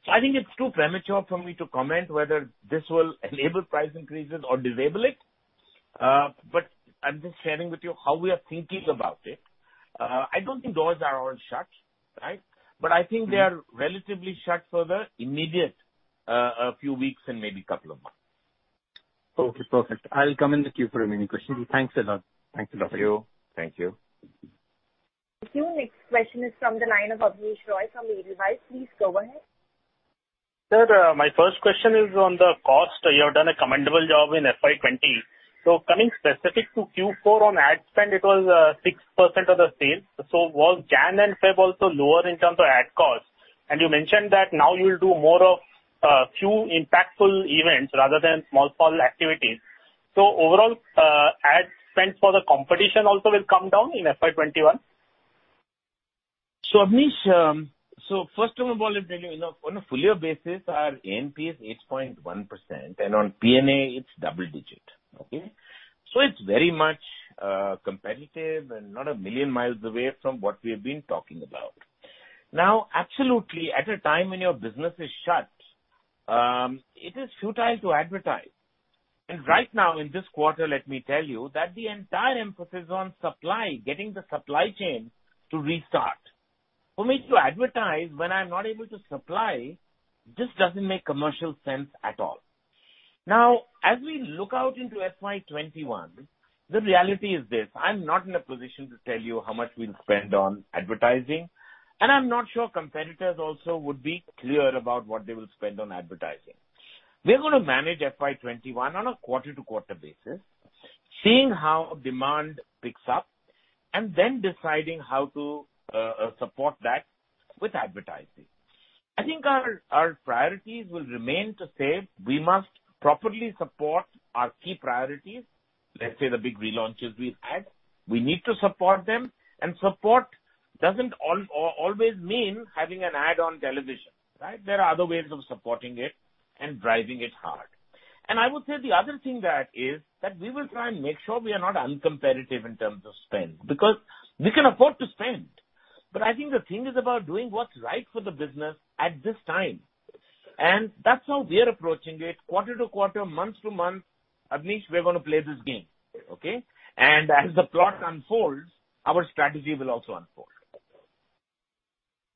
So I think it's too premature for me to comment whether this will enable price increases or disable it. But I'm just sharing with you how we are thinking about it. I don't think doors are all shut, right? But I think they are relatively shut for the immediate few weeks and maybe couple of months. Okay. Perfect. I'll come in the queue for a mini question. Thanks a lot. Thanks a lot. Thank you. Thank you. Thank you. The next question is from the line of Abneesh Roy from Edelweiss. Please go ahead. Sir, my first question is on the cost. You have done a commendable job in FY20. So coming specific to Q4 on ad spend, it was 6% of the sales. Was January and February also lower in terms of ad cost? And you mentioned that now you'll do more of a few impactful events rather than small-form activities. So overall, ad spend for the competition also will come down in FY21? So Abneesh, so first of all, on a full-year basis, our ANP is 8.1%, and on P&A, it's double-digit, okay? So it's very much competitive and not a million miles away from what we have been talking about. Now, absolutely, at a time when your business is shut, it is futile to advertise. And right now, in this quarter, let me tell you that the entire emphasis on supply, getting the supply chain to restart, for me to advertise when I'm not able to supply, just doesn't make commercial sense at all. Now, as we look out into FY21, the reality is this. I'm not in a position to tell you how much we'll spend on advertising, and I'm not sure competitors also would be clear about what they will spend on advertising. We're going to manage FY21 on a quarter-to-quarter basis, seeing how demand picks up, and then deciding how to support that with advertising. I think our priorities will remain to say we must properly support our key priorities, let's say the big relaunches we've had. We need to support them. And support doesn't always mean having an ad on television, right? There are other ways of supporting it and driving it hard. And I would say the other thing that is that we will try and make sure we are not uncompetitive in terms of spend because we can afford to spend. But I think the thing is about doing what's right for the business at this time. And that's how we are approaching it quarter to quarter, month to month. Abneesh, we're going to play this game, okay? And as the plot unfolds, our strategy will also unfold.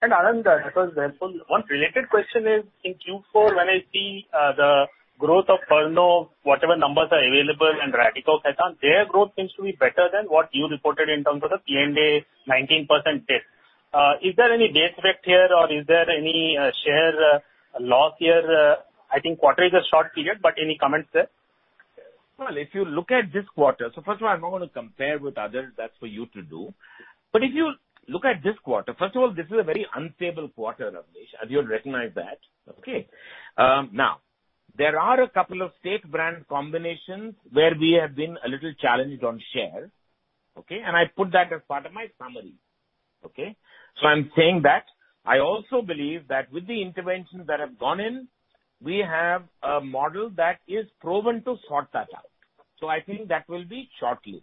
And Anand, that was helpful. One related question is in Q4, when I see the growth of Pernod, whatever numbers are available, and Radico Khaitan, their growth seems to be better than what you reported in terms of the P&A 19% dip. Is there any base effect here, or is there any share loss here? I think quarter is a short period, but any comments there? Well, if you look at this quarter, so first of all, I'm not going to compare with others. That's for you to do. But if you look at this quarter, first of all, this is a very unstable quarter, Abneesh, as you'll recognize that, okay? Now, there are a couple of state-brand combinations where we have been a little challenged on share, okay? And I put that as part of my summary, okay? So I'm saying that I also believe that with the interventions that have gone in, we have a model that is proven to sort that out. So I think that will be short-lived.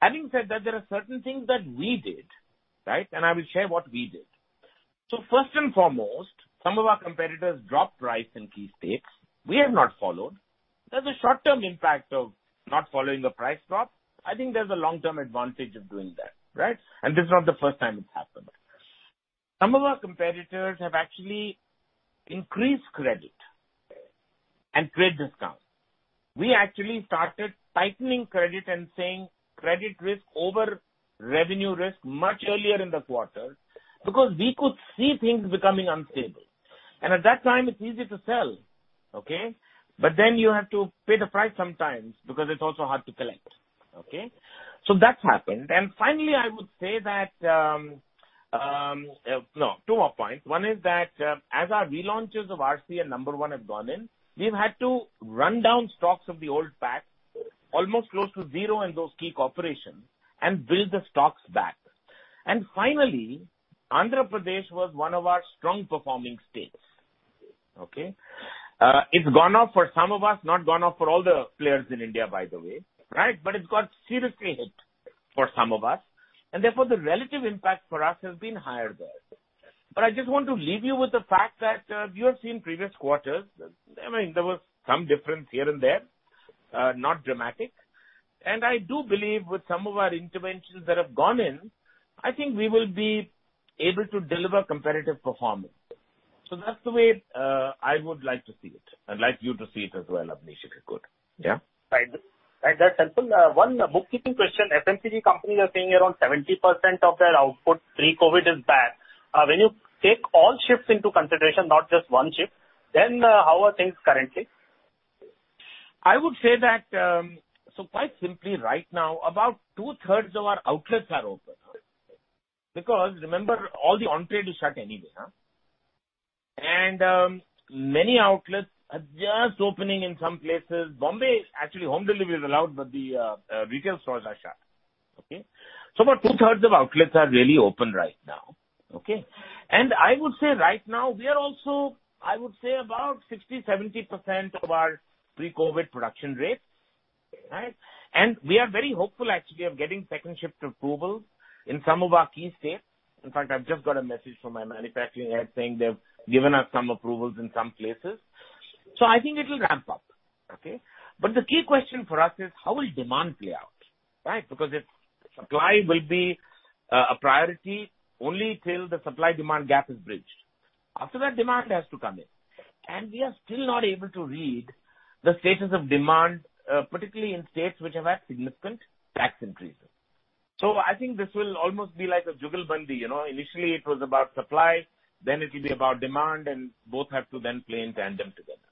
Having said that, there are certain things that we did, right? And I will share what we did. So first and foremost, some of our competitors dropped price in key states. We have not followed. There's a short-term impact of not following a price drop. I think there's a long-term advantage of doing that, right? And this is not the first time it's happened. Some of our competitors have actually increased credit and created discounts. We actually started tightening credit and saying credit risk over revenue risk much earlier in the quarter because we could see things becoming unstable, and at that time, it's easy to sell, okay? But then you have to pay the price sometimes because it's also hard to collect, okay, so that's happened, and finally, I would say that no, two more points. One is that as our relaunches of RC and number one have gone in, we've had to run down stocks of the old pack, almost close to zero in those key corporations, and build the stocks back, and finally, Andhra Pradesh was one of our strong-performing states, okay? It's gone up for some of us, not gone up for all the players in India, by the way, right? But it got seriously hit for some of us, and therefore, the relative impact for us has been higher there. But I just want to leave you with the fact that you have seen previous quarters. I mean, there was some difference here and there, not dramatic. And I do believe with some of our interventions that have gone in, I think we will be able to deliver competitive performance. So that's the way I would like to see it and like you to see it as well, Abneesh, if you could. Yeah? Right. That's helpful. One bookkeeping question. FMCG companies are saying around 70% of their output pre-COVID is back. When you take all shifts into consideration, not just one shift, then how are things currently? I would say that, so quite simply, right now, about two-thirds of our outlets are open because remember, all the on-trade is shut anyway, huh? And many outlets are just opening in some places. Mumbai, actually, home delivery is allowed, but the retail stores are shut, okay? So about two-thirds of outlets are really open right now, okay? And I would say right now, we are also, I would say, about 60%-70% of our pre-COVID production rate, right? And we are very hopeful, actually, of getting second-shift approvals in some of our key states. In fact, I've just got a message from my manufacturing head saying they've given us some approvals in some places. So I think it'll ramp up, okay? But the key question for us is how will demand play out, right? Because if supply will be a priority only till the supply-demand gap is bridged, after that, demand has to come in. And we are still not able to read the status of demand, particularly in states which have had significant tax increases. So I think this will almost be like a juggle, buddy. Initially, it was about supply, then it will be about demand, and both have to then play in tandem together.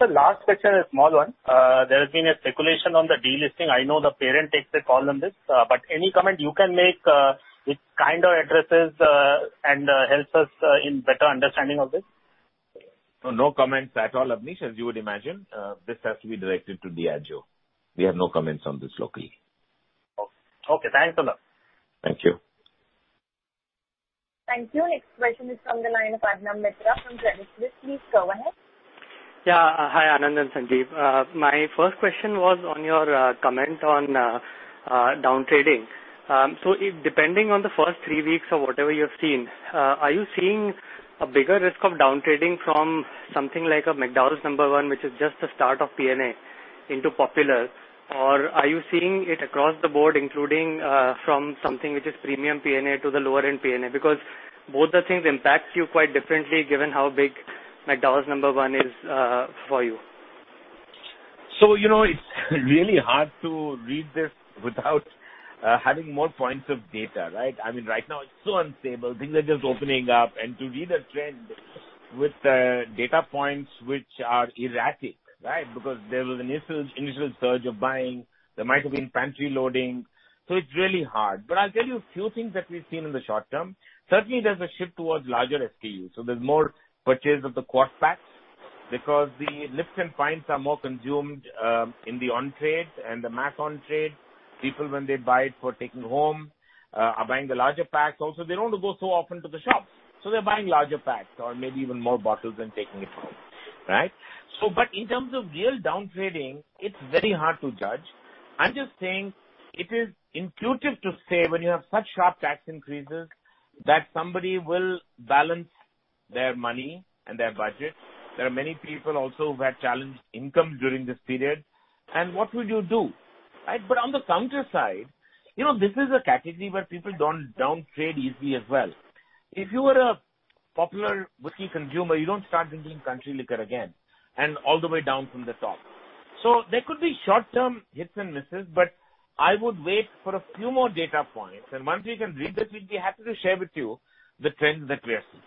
The last question is a small one. There has been a speculation on the delisting. I know the parent takes a call on this, but any comment you can make which kind of addresses and helps us in better understanding of this? No comments at all, Abneesh, as you would imagine. This has to be directed to Diageo. We have no comments on this locally. Okay. Thanks a lot. Thank you. Thank you. Next question is from the line of Arnab Mitra from Credit Suisse. Please go ahead. Yeah. Hi, Anand and Sanjeev. My first question was on your comment on downtrading. So depending on the first three weeks or whatever you have seen, are you seeing a bigger risk of downtrading from something like a McDowell's No. 1, which is just the start of P&A, into popular? Or are you seeing it across the board, including from something which is premium P&A to the lower-end P&A? Because both the things impact you quite differently given how big McDowell's No. 1 is for you. So it's really hard to read this without having more points of data, right? I mean, right now, it's so unstable. Things are just opening up. And to read a trend with data points which are erratic, right? Because there was an initial surge of buying. There might have been pantry loading. So it's really hard. But I'll tell you a few things that we've seen in the short term. Certainly, there's a shift towards larger SKUs. So there's more purchase of the quart packs because the litres and pints are more consumed in the on-trade and the mass on-trade. People, when they buy it for taking home, are buying the larger packs. Also, they don't go so often to the shops. So they're buying larger packs or maybe even more bottles than taking it home, right? But in terms of real downtrading, it's very hard to judge. I'm just saying it is intuitive to say when you have such sharp tax increases that somebody will balance their money and their budget. There are many people also who had challenged income during this period. And what would you do, right? But on the flip side, this is a category where people don't downtrade easily as well. If you were a popular whiskey consumer, you don't start drinking country liquor again and all the way down from the top. So there could be short-term hits and misses, but I would wait for a few more data points. And once we can read this, we'd be happy to share with you the trends that we are seeing.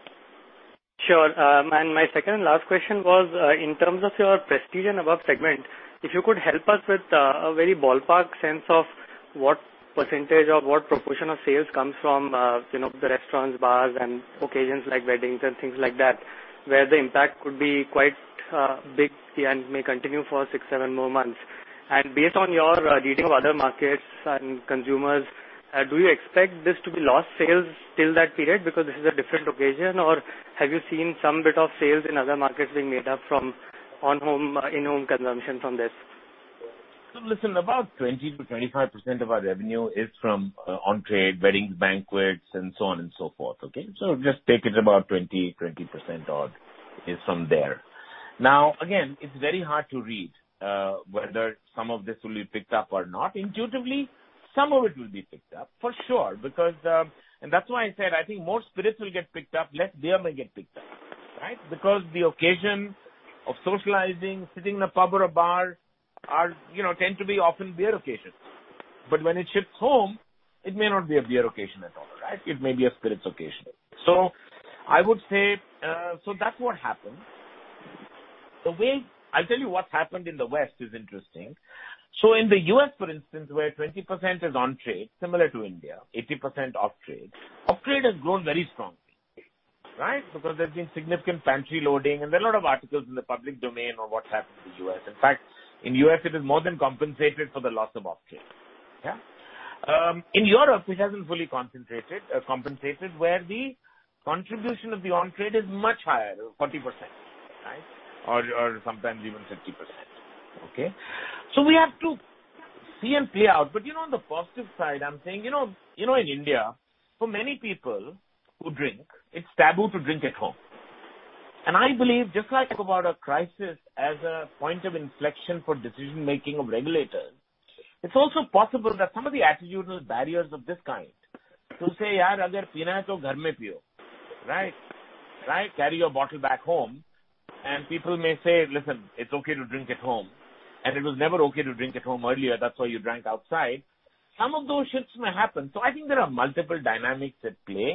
Sure. And my second and last question was in terms of your prestige and above segment, if you could help us with a very ballpark sense of what percentage or what proportion of sales comes from the restaurants, bars, and occasions like weddings and things like that, where the impact could be quite big and may continue for six, seven more months. Based on your reading of other markets and consumers, do you expect this to be lost sales till that period because this is a different occasion, or have you seen some bit of sales in other markets being made up from in-home consumption from this? Listen, about 20%-25% of our revenue is from on-trade, weddings, banquets, and so on and so forth, okay? So just take it about 20-20% odd is from there. Now, again, it's very hard to read whether some of this will be picked up or not. Intuitively, some of it will be picked up, for sure, because—and that's why I said I think more spirits will get picked up, less beer may get picked up, right? Because the occasion of socializing, sitting in a pub or a bar, tend to be often beer occasions. But when it shifts home, it may not be a beer occasion at all, right? It may be a spirits occasion. So I would say, so that's what happened. I'll tell you what's happened in the West is interesting. So in the U.S., for instance, where 20% is on-trade, similar to India, 80% off-trade, off-trade has grown very strongly, right? Because there's been significant pantry loading, and there are a lot of articles in the public domain on what's happened in the U.S. In fact, in the U.S., it is more than compensated for the loss of on-trade. Yeah? In Europe, it hasn't fully compensated, where the contribution of the on-trade is much higher, 40%, right? Or sometimes even 50%, okay? So we have to see and play out. But on the positive side, I'm saying in India, for many people who drink, it's taboo to drink at home. I believe, just like about a crisis as a point of inflection for decision-making of regulators, it's also possible that some of the attitudinal barriers of this kind to say, "Yaar, agar peete ho, ghar mein piyo," right? Right? Carry your bottle back home, and people may say, "Listen, it's okay to drink at home," and it was never okay to drink at home earlier. That's why you drank outside. Some of those shifts may happen, so I think there are multiple dynamics at play,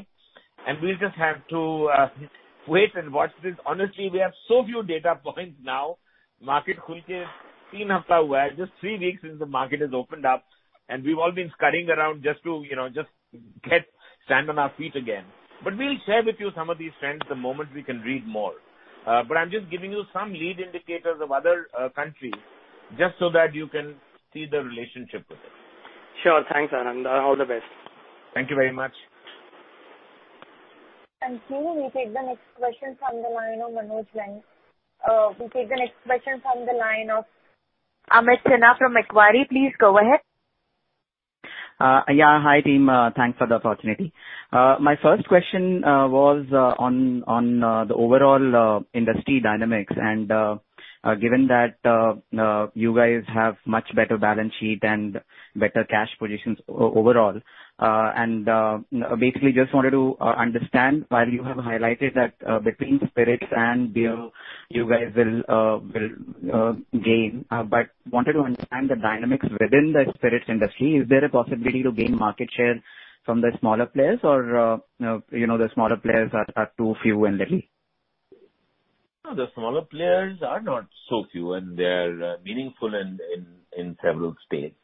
and we'll just have to wait and watch this. Honestly, we have so few data points now. Market khulke it's three weeks since the market has opened up, and we've all been scurrying around just to stand on our feet again, but we'll share with you some of these trends the moment we can read more. But I'm just giving you some lead indicators of other countries just so that you can see the relationship with it. Sure. Thanks, Anand. All the best. Thank you very much. Thank you. We take the next question from the line of Manoj Menon. We take the next question from the line of Amit Sinha from Macquarie. Please go ahead. Yeah. Hi, team. Thanks for the opportunity. My first question was on the overall industry dynamics. And given that you guys have much better balance sheet and better cash positions overall, and basically just wanted to understand, while you have highlighted that between spirits and beer, you guys will gain, but wanted to understand the dynamics within the spirits industry. Is there a possibility to gain market share from the smaller players, or the smaller players are too few and little? The smaller players are not so few, and they're meaningful in several states.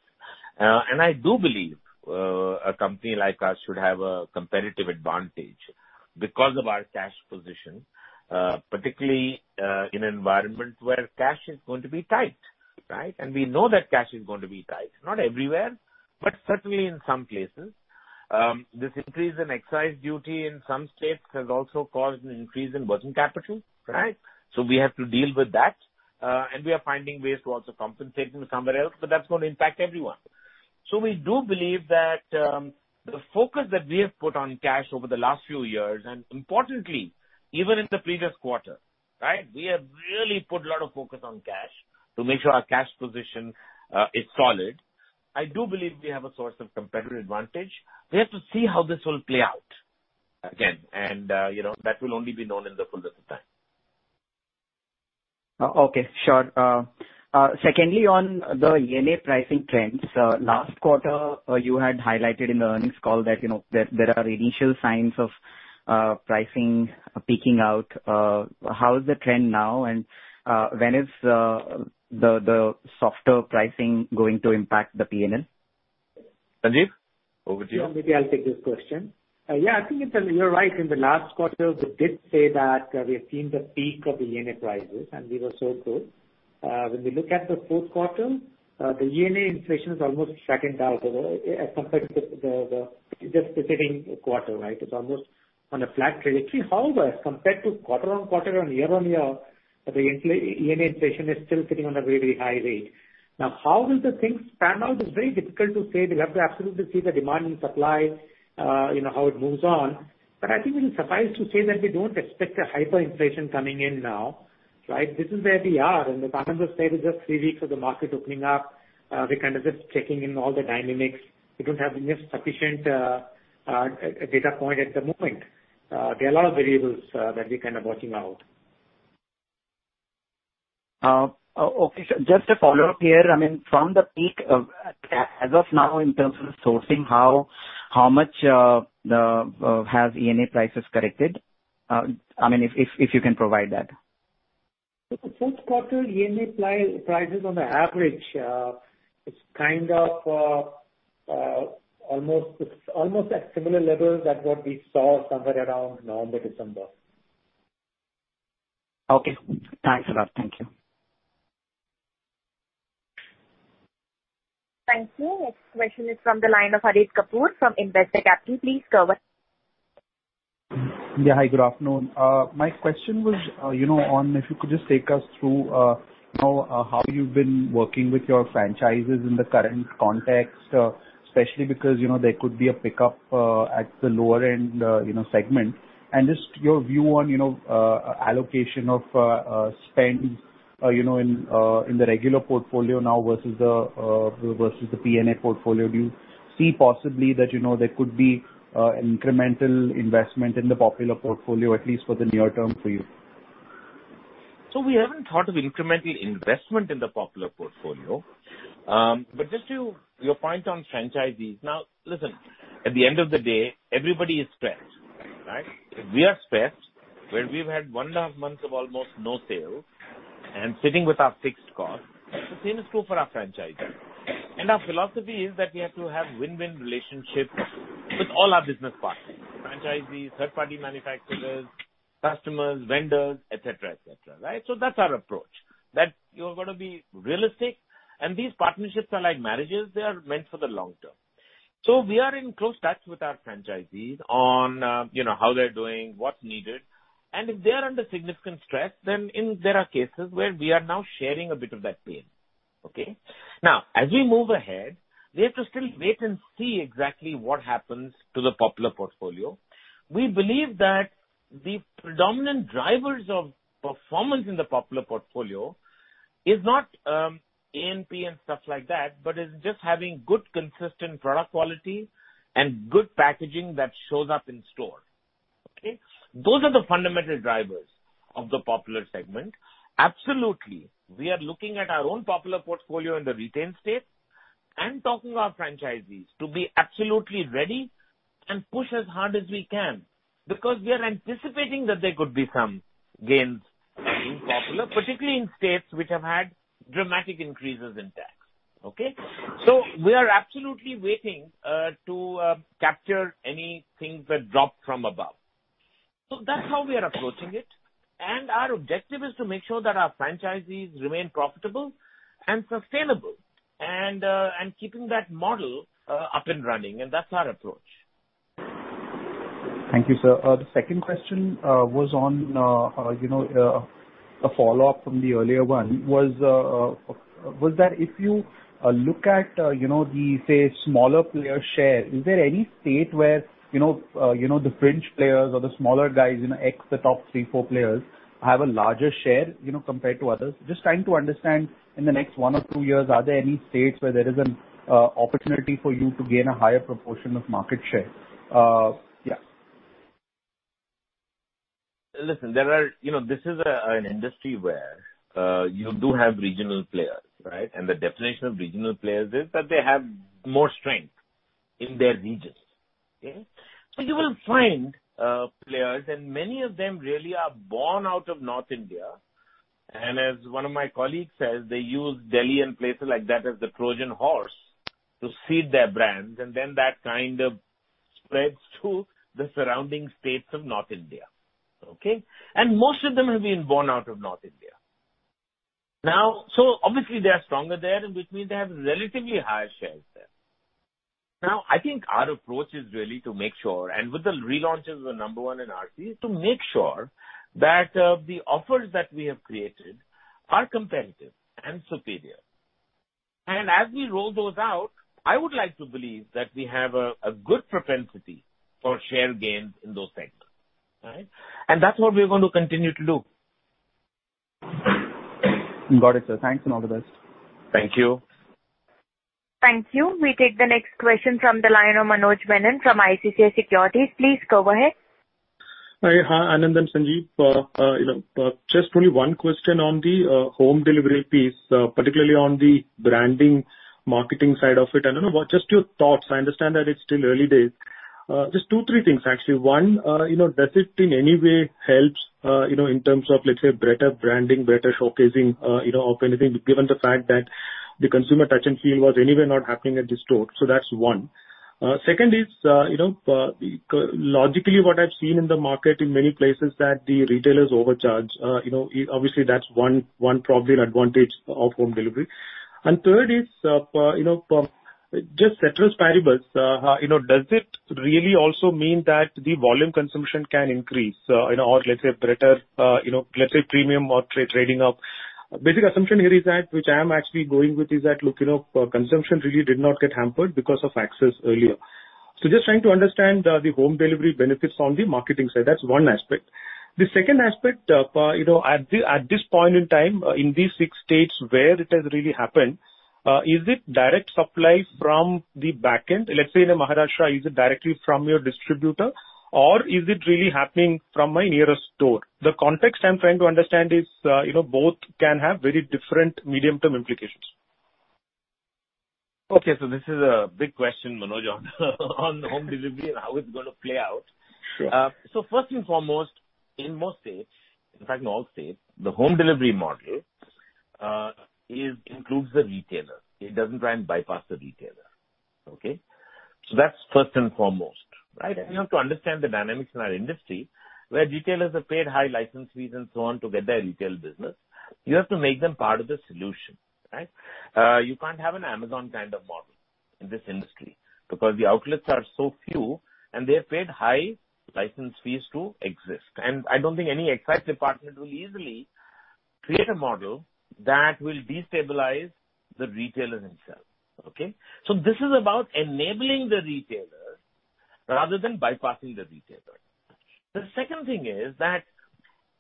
And I do believe a company like us should have a competitive advantage because of our cash position, particularly in an environment where cash is going to be tight, right? And we know that cash is going to be tight, not everywhere, but certainly in some places. This increase in excise duty in some states has also caused an increase in working capital, right? So we have to deal with that, and we are finding ways to also compensate somewhere else, but that's going to impact everyone. So we do believe that the focus that we have put on cash over the last few years, and importantly, even in the previous quarter, right? We have really put a lot of focus on cash to make sure our cash position is solid. I do believe we have a source of competitive advantage. We have to see how this will play out again, and that will only be known in the fullness of time. Okay. Sure. Secondly, on the ENA pricing trends, last quarter, you had highlighted in the earnings call that there are initial signs of pricing peaking out. How is the trend now, and when is the softer pricing going to impact the P&L? Sanjeev, over to you. Maybe I'll take this question. Yeah, I think you're right. In the last quarter, we did say that we have seen the peak of the ENA prices, and we were so good. When we look at the fourth quarter, the ENA inflation has almost flattened out as compared to the just preceding quarter, right? It's almost on a flat trajectory. However, as compared to quarter on quarter and year on year, the ENA inflation is still sitting on a very, very high rate. Now, how will the things pan out? It's very difficult to say. We have to absolutely see the demand and supply, how it moves on. But I think we're surprised to say that we don't expect a hyperinflation coming in now, right? This is where we are, and as Anand has said, it's just three weeks of the market opening up. We're kind of just checking in all the dynamics. We don't have enough sufficient data point at the moment. There are a lot of variables that we're kind of watching out. Okay. Just a follow-up here. I mean, from the peak as of now, in terms of sourcing, how much have ENA prices corrected? I mean, if you can provide that. The fourth quarter ENA prices on the average is kind of almost at similar levels as what we saw somewhere around November, December. Okay. Thanks a lot. Thank you. Thank you. Next question is from the line of Harit Kapoor from Investec. Please go ahead. Yeah. Hi, good afternoon. My question was on if you could just take us through how you've been working with your franchises in the current context, especially because there could be a pickup at the lower-end segment. And just your view on allocation of spend in the regular portfolio now versus the P&A portfolio. Do you see possibly that there could be an incremental investment in the popular portfolio, at least for the near term for you? So we haven't thought of incremental investment in the popular portfolio. But just to your point on franchisees, now, listen, at the end of the day, everybody is stressed, right? If we are stressed, when we've had one and a half months of almost no sales and sitting with our fixed costs, the same is true for our franchises. And our philosophy is that we have to have win-win relationships with all our business partners: franchisees, third-party manufacturers, customers, vendors, etc., etc., right? So that's our approach, that you're going to be realistic. And these partnerships are like marriages. They are meant for the long term. So we are in close touch with our franchisees on how they're doing, what's needed. And if they are under significant stress, then there are cases where we are now sharing a bit of that pain, okay? Now, as we move ahead, we have to still wait and see exactly what happens to the popular portfolio. We believe that the predominant drivers of performance in the popular portfolio is not A&P and stuff like that, but is just having good, consistent product quality and good packaging that shows up in store, okay? Those are the fundamental drivers of the popular segment. Absolutely, we are looking at our own popular portfolio in the retained states and talking to our franchisees to be absolutely ready and push as hard as we can because we are anticipating that there could be some gains in popular, particularly in states which have had dramatic increases in tax, okay? So we are absolutely waiting to capture anything that drops from above. So that's how we are approaching it. And our objective is to make sure that our franchisees remain profitable and sustainable and keeping that model up and running, and that's our approach. Thank you, sir. The second question was on a follow-up from the earlier one, was that if you look at the, say, smaller player share, is there any state where the fringe players or the smaller guys, ex the top three, four players, have a larger share compared to others? Just trying to understand in the next one or two years, are there any states where there is an opportunity for you to gain a higher proportion of market share? Yeah. Listen, this is an industry where you do have regional players, right? And the definition of regional players is that they have more strength in their regions, okay? So you will find players, and many of them really are born out of North India. As one of my colleagues says, they use Delhi and places like that as the Trojan horse to seed their brands, and then that kind of spreads to the surrounding states of North India, okay? Most of them have been born out of North India. Obviously, they are stronger there, which means they have relatively higher shares there. Now, I think our approach is really to make sure, and with the relaunches of the number one in RC, is to make sure that the offers that we have created are competitive and superior. As we roll those out, I would like to believe that we have a good propensity for share gains in those segments, right? That's what we're going to continue to do. Got it, sir. Thanks and all the best. Thank you. Thank you. We take the next question from the line of Manoj Menon from ICICI Securities. Please go ahead. Hi, Anand and Sanjeev. Just only one question on the home delivery piece, particularly on the branding marketing side of it. I don't know, just your thoughts. I understand that it's still early days. Just two, three things, actually. One, does it in any way help in terms of, let's say, better branding, better showcasing of anything, given the fact that the consumer touch and feel was anyway not happening at the store? So that's one. Second is, logically, what I've seen in the market in many places is that the retailers overcharge. Obviously, that's one probably advantage of home delivery. And third is just sector variables. Does it really also mean that the volume consumption can increase or, let's say, better, let's say, premium or trading up? Basic assumption here is that which I am actually going with is that consumption really did not get hampered because of access earlier. So just trying to understand the home delivery benefits on the marketing side. That's one aspect. The second aspect, at this point in time, in these six states where it has really happened, is it direct supply from the backend? Let's say in Maharashtra, is it directly from your distributor, or is it really happening from my nearest store? The context I'm trying to understand is both can have very different medium-term implications. Okay. So this is a big question, Manoj, on home delivery and how it's going to play out. So first and foremost, in most states, in fact, in all states, the home delivery model includes the retailer. It doesn't try and bypass the retailer, okay? So that's first and foremost, right? You have to understand the dynamics in our industry where retailers have paid high license fees and so on to get their retail business. You have to make them part of the solution, right? You can't have an Amazon kind of model in this industry because the outlets are so few, and they have paid high license fees to exist. I don't think any excise department will easily create a model that will destabilize the retailer himself, okay? This is about enabling the retailer rather than bypassing the retailer. The second thing is that,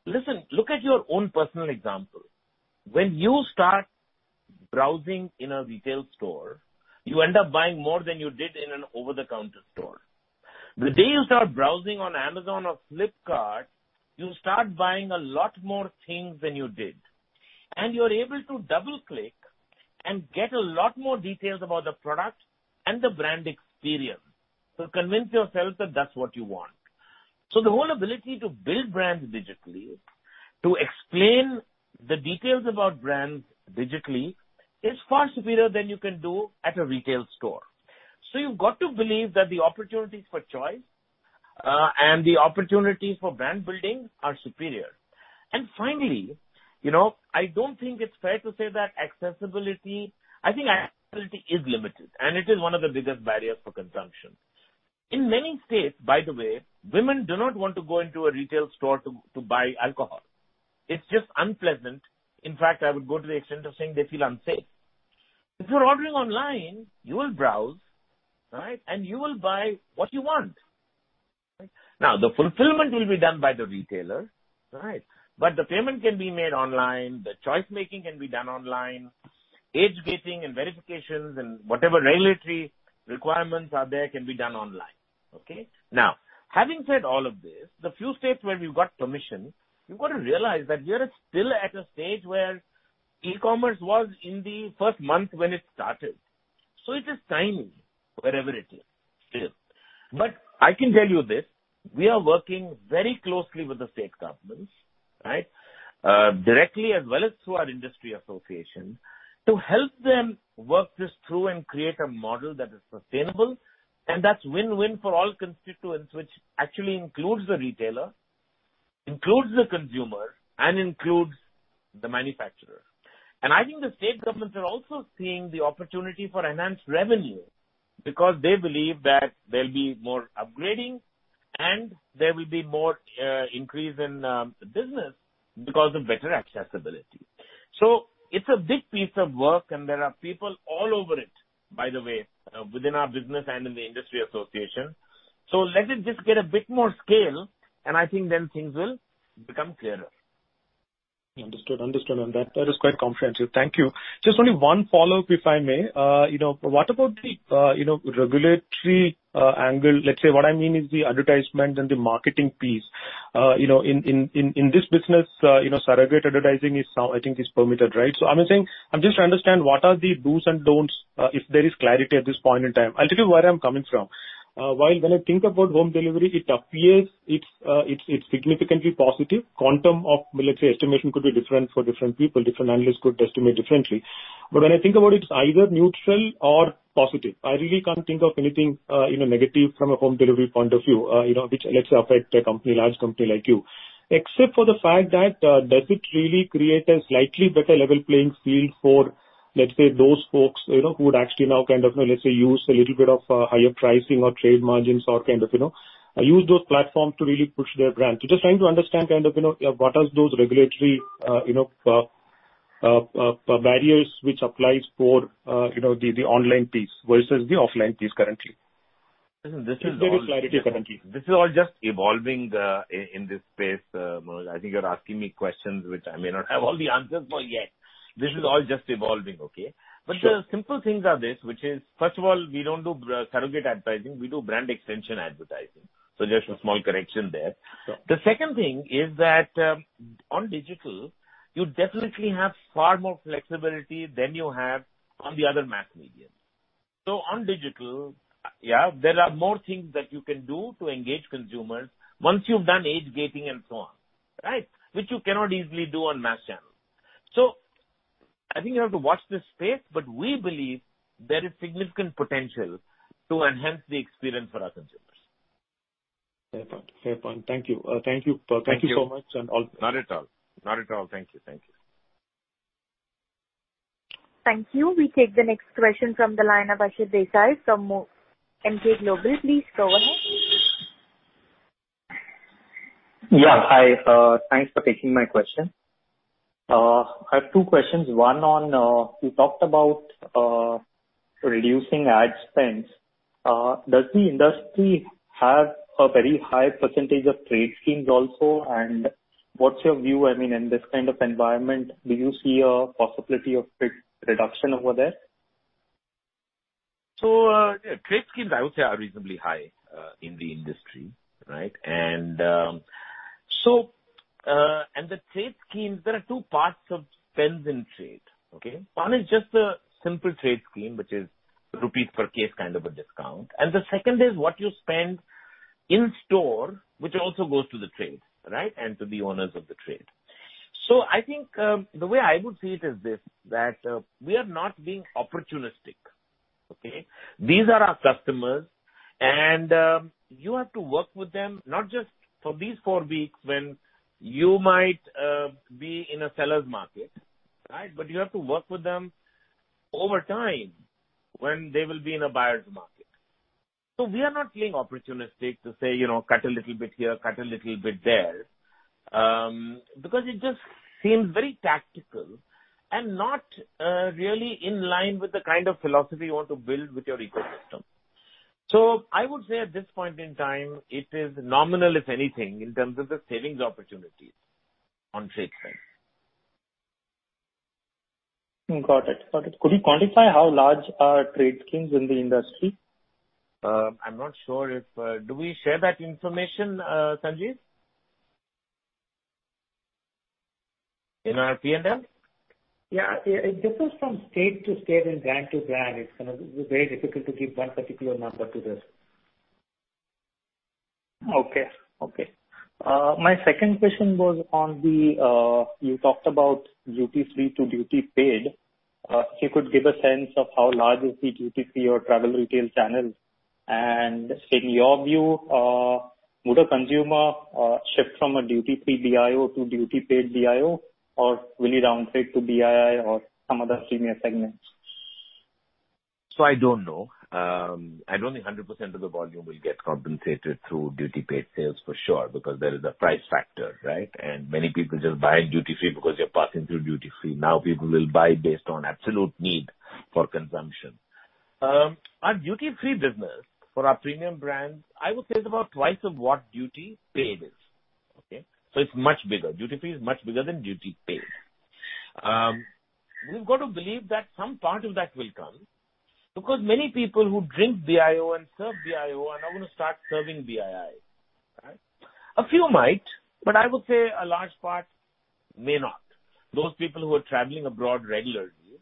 listen, look at your own personal example. When you start browsing in a retail store, you end up buying more than you did in an over-the-counter store. The day you start browsing on Amazon or Flipkart, you start buying a lot more things than you did. And you're able to double-click and get a lot more details about the product and the brand experience to convince yourself that that's what you want. So the whole ability to build brands digitally, to explain the details about brands digitally, is far superior than you can do at a retail store. So you've got to believe that the opportunities for choice and the opportunities for brand building are superior. And finally, I don't think it's fair to say that accessibility, I think accessibility is limited, and it is one of the biggest barriers for consumption. In many states, by the way, women do not want to go into a retail store to buy alcohol. It's just unpleasant. In fact, I would go to the extent of saying they feel unsafe. If you're ordering online, you will browse, right, and you will buy what you want. Now, the fulfillment will be done by the retailer, right? But the payment can be made online. The choice-making can be done online. Age gating and verifications and whatever regulatory requirements are there can be done online, okay? Now, having said all of this, the few states where we've got permission, you've got to realize that we are still at a stage where e-commerce was in the first month when it started. So it is tiny wherever it is still. But I can tell you this. We are working very closely with the state governments, right, directly as well as through our industry association to help them work this through and create a model that is sustainable. And that's win-win for all constituents, which actually includes the retailer, includes the consumer, and includes the manufacturer. And I think the state governments are also seeing the opportunity for enhanced revenue because they believe that there'll be more upgrading and there will be more increase in business because of better accessibility. So it's a big piece of work, and there are people all over it, by the way, within our business and in the industry association. So let it just get a bit more scale, and I think then things will become clearer. Understood. Understood. And that is quite comprehensive. Thank you. Just only one follow-up, if I may. What about the regulatory angle? Let's say what I mean is the advertisement and the marketing piece. In this business, surrogate advertising, I think, is permitted, right? So I'm just trying to understand what are the dos and don'ts if there is clarity at this point in time. I'll tell you where I'm coming from. While when I think about home delivery, it appears it's significantly positive. Quantum of, let's say, estimation could be different for different people. Different analysts could estimate differently. But when I think about it, it's either neutral or positive. I really can't think of anything negative from a home delivery point of view, which, let's say, affects a large company like you, except for the fact that does it really create a slightly better level playing field for, let's say, those folks who would actually now kind of, let's say, use a little bit of higher pricing or trade margins or kind of use those platforms to really push their brand. So just trying to understand kind of what are those regulatory barriers which apply for the online piece versus the offline piece currently. This is all just evolving in this space. I think you're asking me questions which I may not have all the answers for yet. This is all just evolving, okay? But the simple things are this, which is, first of all, we don't do surrogate advertising. We do brand extension advertising. So just a small correction there. The second thing is that on digital, you definitely have far more flexibility than you have on the other mass media. So on digital, yeah, there are more things that you can do to engage consumers once you've done age gating and so on, right, which you cannot easily do on mass channel. So I think you have to watch this space, but we believe there is significant potential to enhance the experience for our consumers. Fair point. Fair point. Thank you. Thank you so much and all. Not at all. Not at all. Thank you. Thank you. Thank you. We take the next question from the line of Ashit Desai from Emkay Global. Please go ahead. Yeah. Hi. Thanks for taking my question. I have two questions. One on you talked about reducing ad spend. Does the industry have a very high percentage of trade schemes also? And what's your view? I mean, in this kind of environment, do you see a possibility of reduction over there? So trade schemes, I would say, are reasonably high in the industry, right? And the trade schemes, there are two parts of spends in trade, okay? One is just a simple trade scheme, which is rupees per case kind of a discount. And the second is what you spend in store, which also goes to the trade, right, and to the owners of the trade. So I think the way I would see it is this: that we are not being opportunistic, okay? These are our customers, and you have to work with them not just for these four weeks when you might be in a seller's market, right, but you have to work with them over time when they will be in a buyer's market. So we are not being opportunistic to say, "Cut a little bit here, cut a little bit there," because it just seems very tactical and not really in line with the kind of philosophy you want to build with your ecosystem. So I would say at this point in time, it is nominal, if anything, in terms of the savings opportunities on-trade spend. Got it. Got it. Could you quantify how large are trade schemes in the industry? I'm not sure if do we share that information, Sanjeev, in our P&L? Yeah. It differs from state to state and brand to brand. It's kind of very difficult to give one particular number to this. Okay. Okay. My second question was on the you talked about duty-free to duty-paid. If you could give a sense of how large is the duty-free or travel retail channel, and in your view, would a consumer shift from a duty-free BIO to duty-paid BIO, or will he round trip to BII or some other senior segments, so I don't know. I don't think 100% of the volume will get compensated through duty-paid sales for sure because there is a price factor, right, and many people just buy in duty-free because you're passing through duty-free. Now people will buy based on absolute need for consumption. Our duty-free business for our premium brands, I would say it's about twice of what duty-paid is, okay? So it's much bigger. Duty-free is much bigger than duty-paid. We've got to believe that some part of that will come because many people who drink BIO and serve BIO are now going to start serving BII, right? A few might, but I would say a large part may not. Those people who are traveling abroad regularly,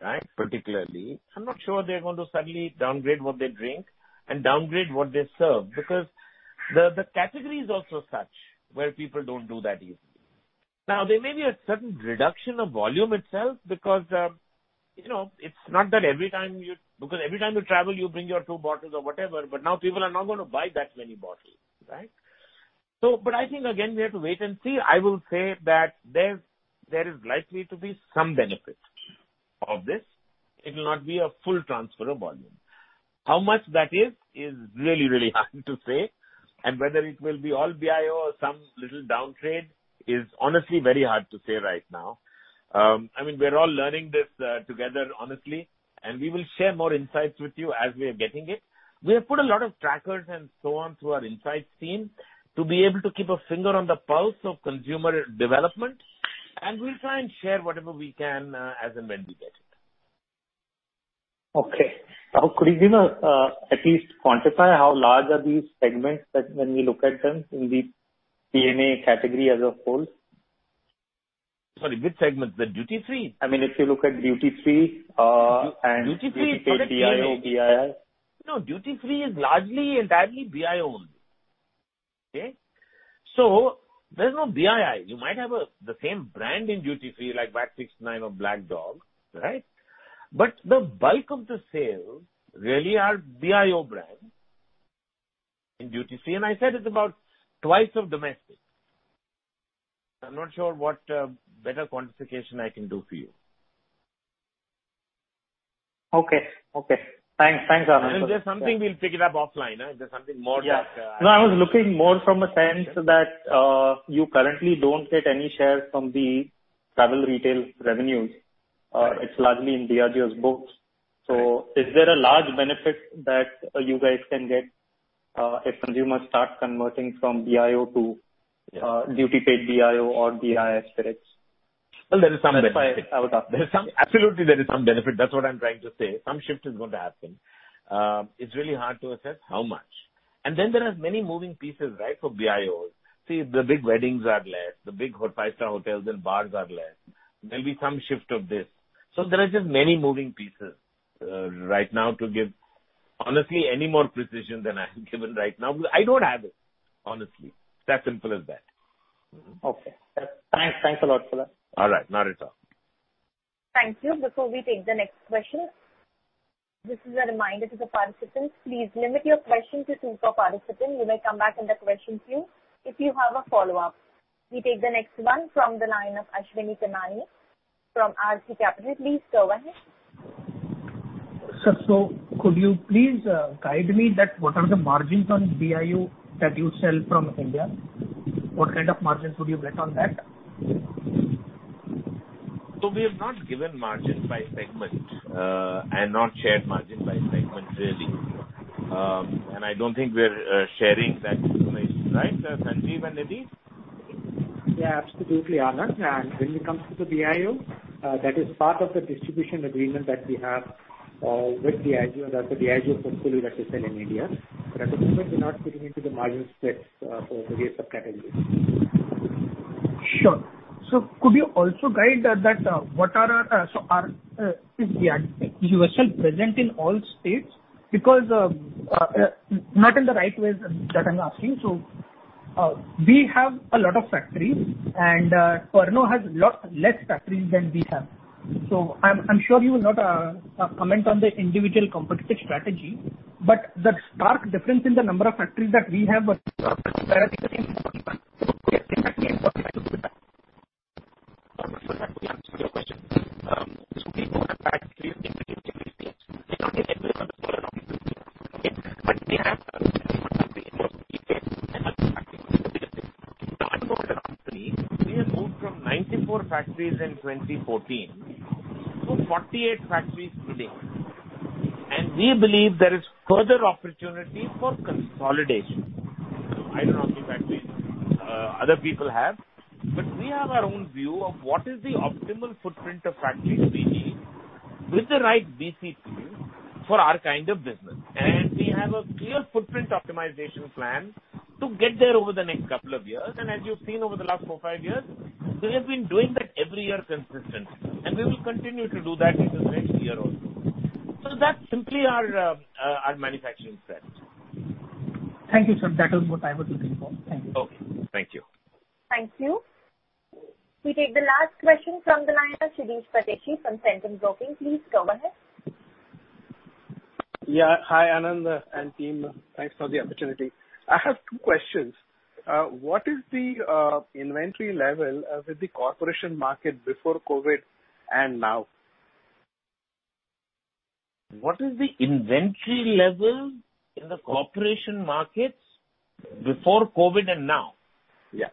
right, particularly, I'm not sure they're going to suddenly downgrade what they drink and downgrade what they serve because the category is also such where people don't do that easily. Now, there may be a sudden reduction of volume itself because it's not that every time you travel, you bring your two bottles or whatever, but now people are not going to buy that many bottles, right? But I think, again, we have to wait and see. I will say that there is likely to be some benefit of this. It will not be a full transfer of volume. How much that is, is really, really hard to say. And whether it will be all BIO or some little downtrade is honestly very hard to say right now. I mean, we're all learning this together, honestly, and we will share more insights with you as we are getting it. We have put a lot of trackers and so on through our insights team to be able to keep a finger on the pulse of consumer development. And we'll try and share whatever we can as and when we get it. Okay. Could you at least quantify how large are these segments when we look at them in the P&A category as a whole? Sorry, which segments? The duty-free? I mean, if you look at duty-free and duty-paid BIO, BII. No, duty-free is largely entirely BIO only, okay? So there's no BII. You might have the same brand in duty-free like VAT 69 or Black Dog, right? But the bulk of the sales really are BIO brands in duty-free. And I said it's about twice of domestic. I'm not sure what better quantification I can do for you. Okay. Okay. Thanks. Thanks, Anand. Is there something we'll pick it up offline? Is there something more that? No, I was looking more from a sense that you currently don't get any shares from the travel retail revenues. It's largely in Diageo's book. So is there a large benefit that you guys can get if consumers start converting from BIO to duty-paid BIO or BII spirits? Well, there is some benefit. I would ask. Absolutely, there is some benefit. That's what I'm trying to say. Some shift is going to happen. It's really hard to assess how much, and then there are many moving pieces, right, for BIOs. See, the big weddings are less. The big five-star hotels and bars are less. There'll be some shift of this, so there are just many moving pieces right now to give honestly any more precision than I've given right now because I don't have it, honestly. That simple as that. Okay. Thanks. Thanks a lot for that. All right. Not at all. Thank you. Before we take the next question, this is a reminder to the participants. Please limit your question to two per participant. You may come back in the question queue. If you have a follow-up, we take the next one from the line of Ashwini Agarwal from RC Capital. Please go ahead. So could you please guide me that what are the margins on BIO that you sell from India? What kind of margins would you get on that? So we have not given margin by segment and not shared margin by segment, really. And I don't think we're sharing that information, right, Sanjeev and Edi? Yeah, absolutely, Anand. And when it comes to the BIO, that is part of the distribution agreement that we have with Diageo. That's the Diageo portfolio that we sell in India. But at the moment, we're not giving into the margin splits for various subcategories. Sure. So could you also guide that what are our so is Diageo you are still present in all states? Because not in the right ways that I'm asking. So we have a lot of factories, and Pernod has a lot less factories than we have. So I'm sure you will not comment on the individual competitive strategy, but the stark difference in the number of factories that we have is. So let me answer your question. So we have factories in the duty-free. We don't get everyone to go to duty-free, okay? But we have 34 factories in duty-free. We have moved from 94 factories in 2014 to 48 factories today. And we believe there is further opportunity for consolidation. I don't know how many factories other people have, but we have our own view of what is the optimal footprint of factories we need with the right VCP for our kind of business. And we have a clear footprint optimization plan to get there over the next couple of years. As you've seen over the last four, five years, we have been doing that every year consistently. And we will continue to do that in the next year also. So that's simply our manufacturing strength. Thank you, sir. That was what I was looking for. Thank you. Okay. Thank you. Thank you. We take the last question from the line of Shirish Pardeshi from Centrum Broking. Please go ahead. Yeah. Hi, Anand and team. Thanks for the opportunity. I have two questions. What is the inventory level with the C&C market before COVID and now? What is the inventory level in the C&C markets before COVID and now? Yeah.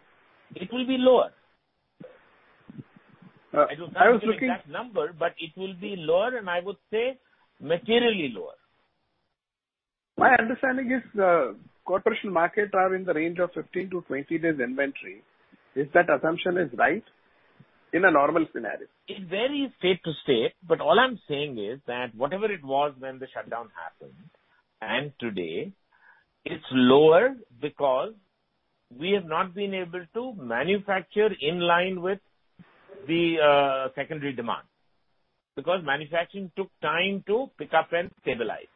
It will be lower. I don't know. I was looking at that number, but it will be lower, and I would say materially lower. My understanding is C&C markets are in the range of 15-20 days inventory. Is that assumption right in a normal scenario? It varies state to state, but all I'm saying is that whatever it was when the shutdown happened and today, it's lower because we have not been able to manufacture in line with the secondary demand because manufacturing took time to pick up and stabilize,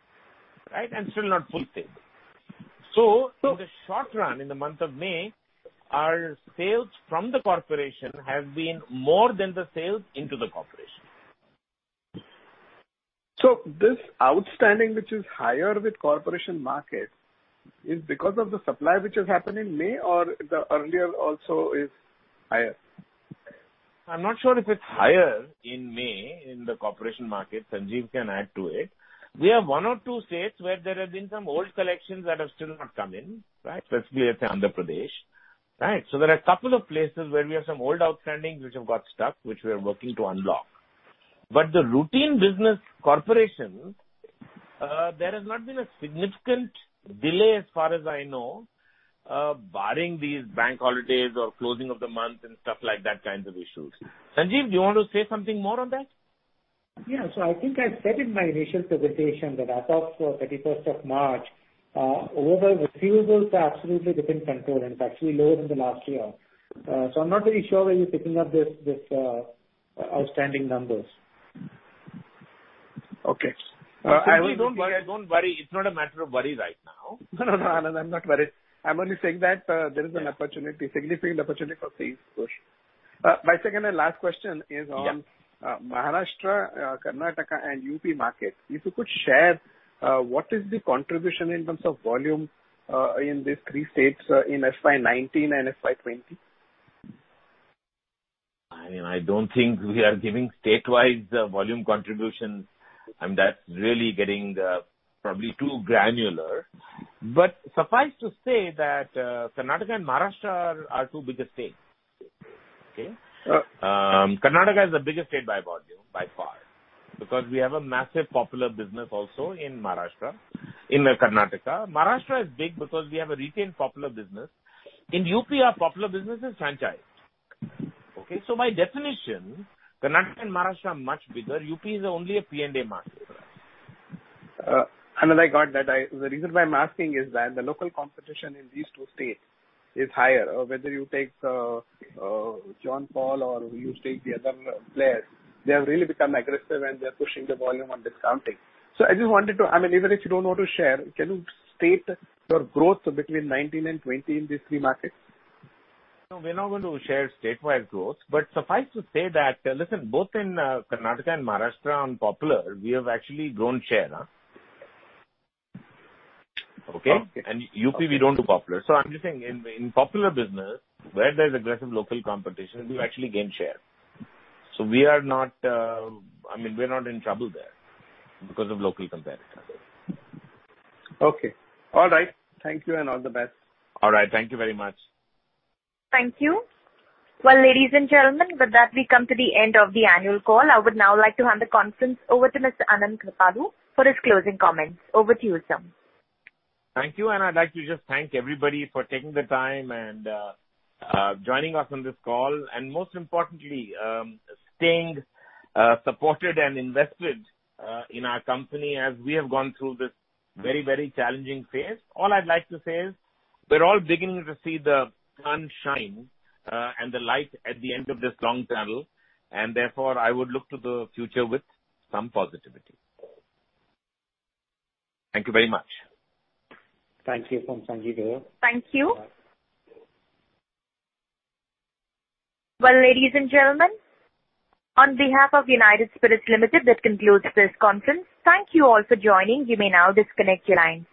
right, and still not fully stable. So in the short run, in the month of May, our sales from the corporation have been more than the sales into the corporation. So this outstanding, which is higher with corporation market, is because of the supply which is happening in May, or the earlier also is higher? I'm not sure if it's higher in May in the corporation market. Sanjeev can add to it. We have one or two states where there have been some old collections that have still not come in, right? Specifically, let's say Andhra Pradesh, right? So there are a couple of places where we have some old outstanding which have got stuck, which we are working to unblock. But the routine business corporation, there has not been a significant delay as far as I know, barring these bank holidays or closing of the month and stuff like that kinds of issues. Sanjeev, do you want to say something more on that? Yeah. So I think I said in my initial presentation that as of 31st of March, overall refusals are absolutely within control. In fact, we lowered them the last year. So I'm not really sure where you're picking up these outstanding numbers. Okay. I don't worry. It's not a matter of worry right now. No, no, no, Anand. I'm not worried. I'm only saying that there is an opportunity, significant opportunity for sales push. My second and last question is on Maharashtra, Karnataka, and UP market. If you could share, what is the contribution in terms of volume in these three states in FY19 and FY20? I mean, I don't think we are giving statewide volume contributions. I mean, that's really getting probably too granular. But suffice to say that Karnataka and Maharashtra are two bigger states, okay? Karnataka is the biggest state by volume by far because we have a massive popular business also in Maharashtra, in Karnataka. Maharashtra is big because we have a retained popular business. In UP, our popular business is franchise, okay? So by definition, Karnataka and Maharashtra are much bigger. UP is only a P&A market for us. Anand, I got that. The reason why I'm asking is that the local competition in these two states is higher. Whether you take John Distilleries or you take the other players, they have really become aggressive, and they're pushing the volume on discounting. So I just wanted to—I mean, even if you don't want to share, can you state your growth between 19 and 20 in these three markets? So we're not going to share statewide growth, but suffice to say that, listen, both in Karnataka and Maharashtra, on popular, we have actually grown share, okay? And UP, we don't do popular. So I'm just saying in popular business, where there's aggressive local competition, we've actually gained share. So we are not—I mean, we're not in trouble there because of local competitors. Okay. All right. Thank you and all the best. All right. Thank you very much. Thank you. Well, ladies and gentlemen, with that, we come to the end of the annual call. I would now like to hand the conference over to Mr. Anand Kripalu for his closing comments. Over to you, sir. Thank you, and I'd like to just thank everybody for taking the time and joining us on this call, and most importantly, staying supported and invested in our company as we have gone through this very, very challenging phase. All I'd like to say is we're all beginning to see the sun shine and the light at the end of this long tunnel, and therefore, I would look to the future with some positivity. Thank you very much. Thank you. Thank you very much. Thank you. Well, ladies and gentlemen, on behalf of United Spirits Limited, that concludes this conference. Thank you all for joining. You may now disconnect your lines.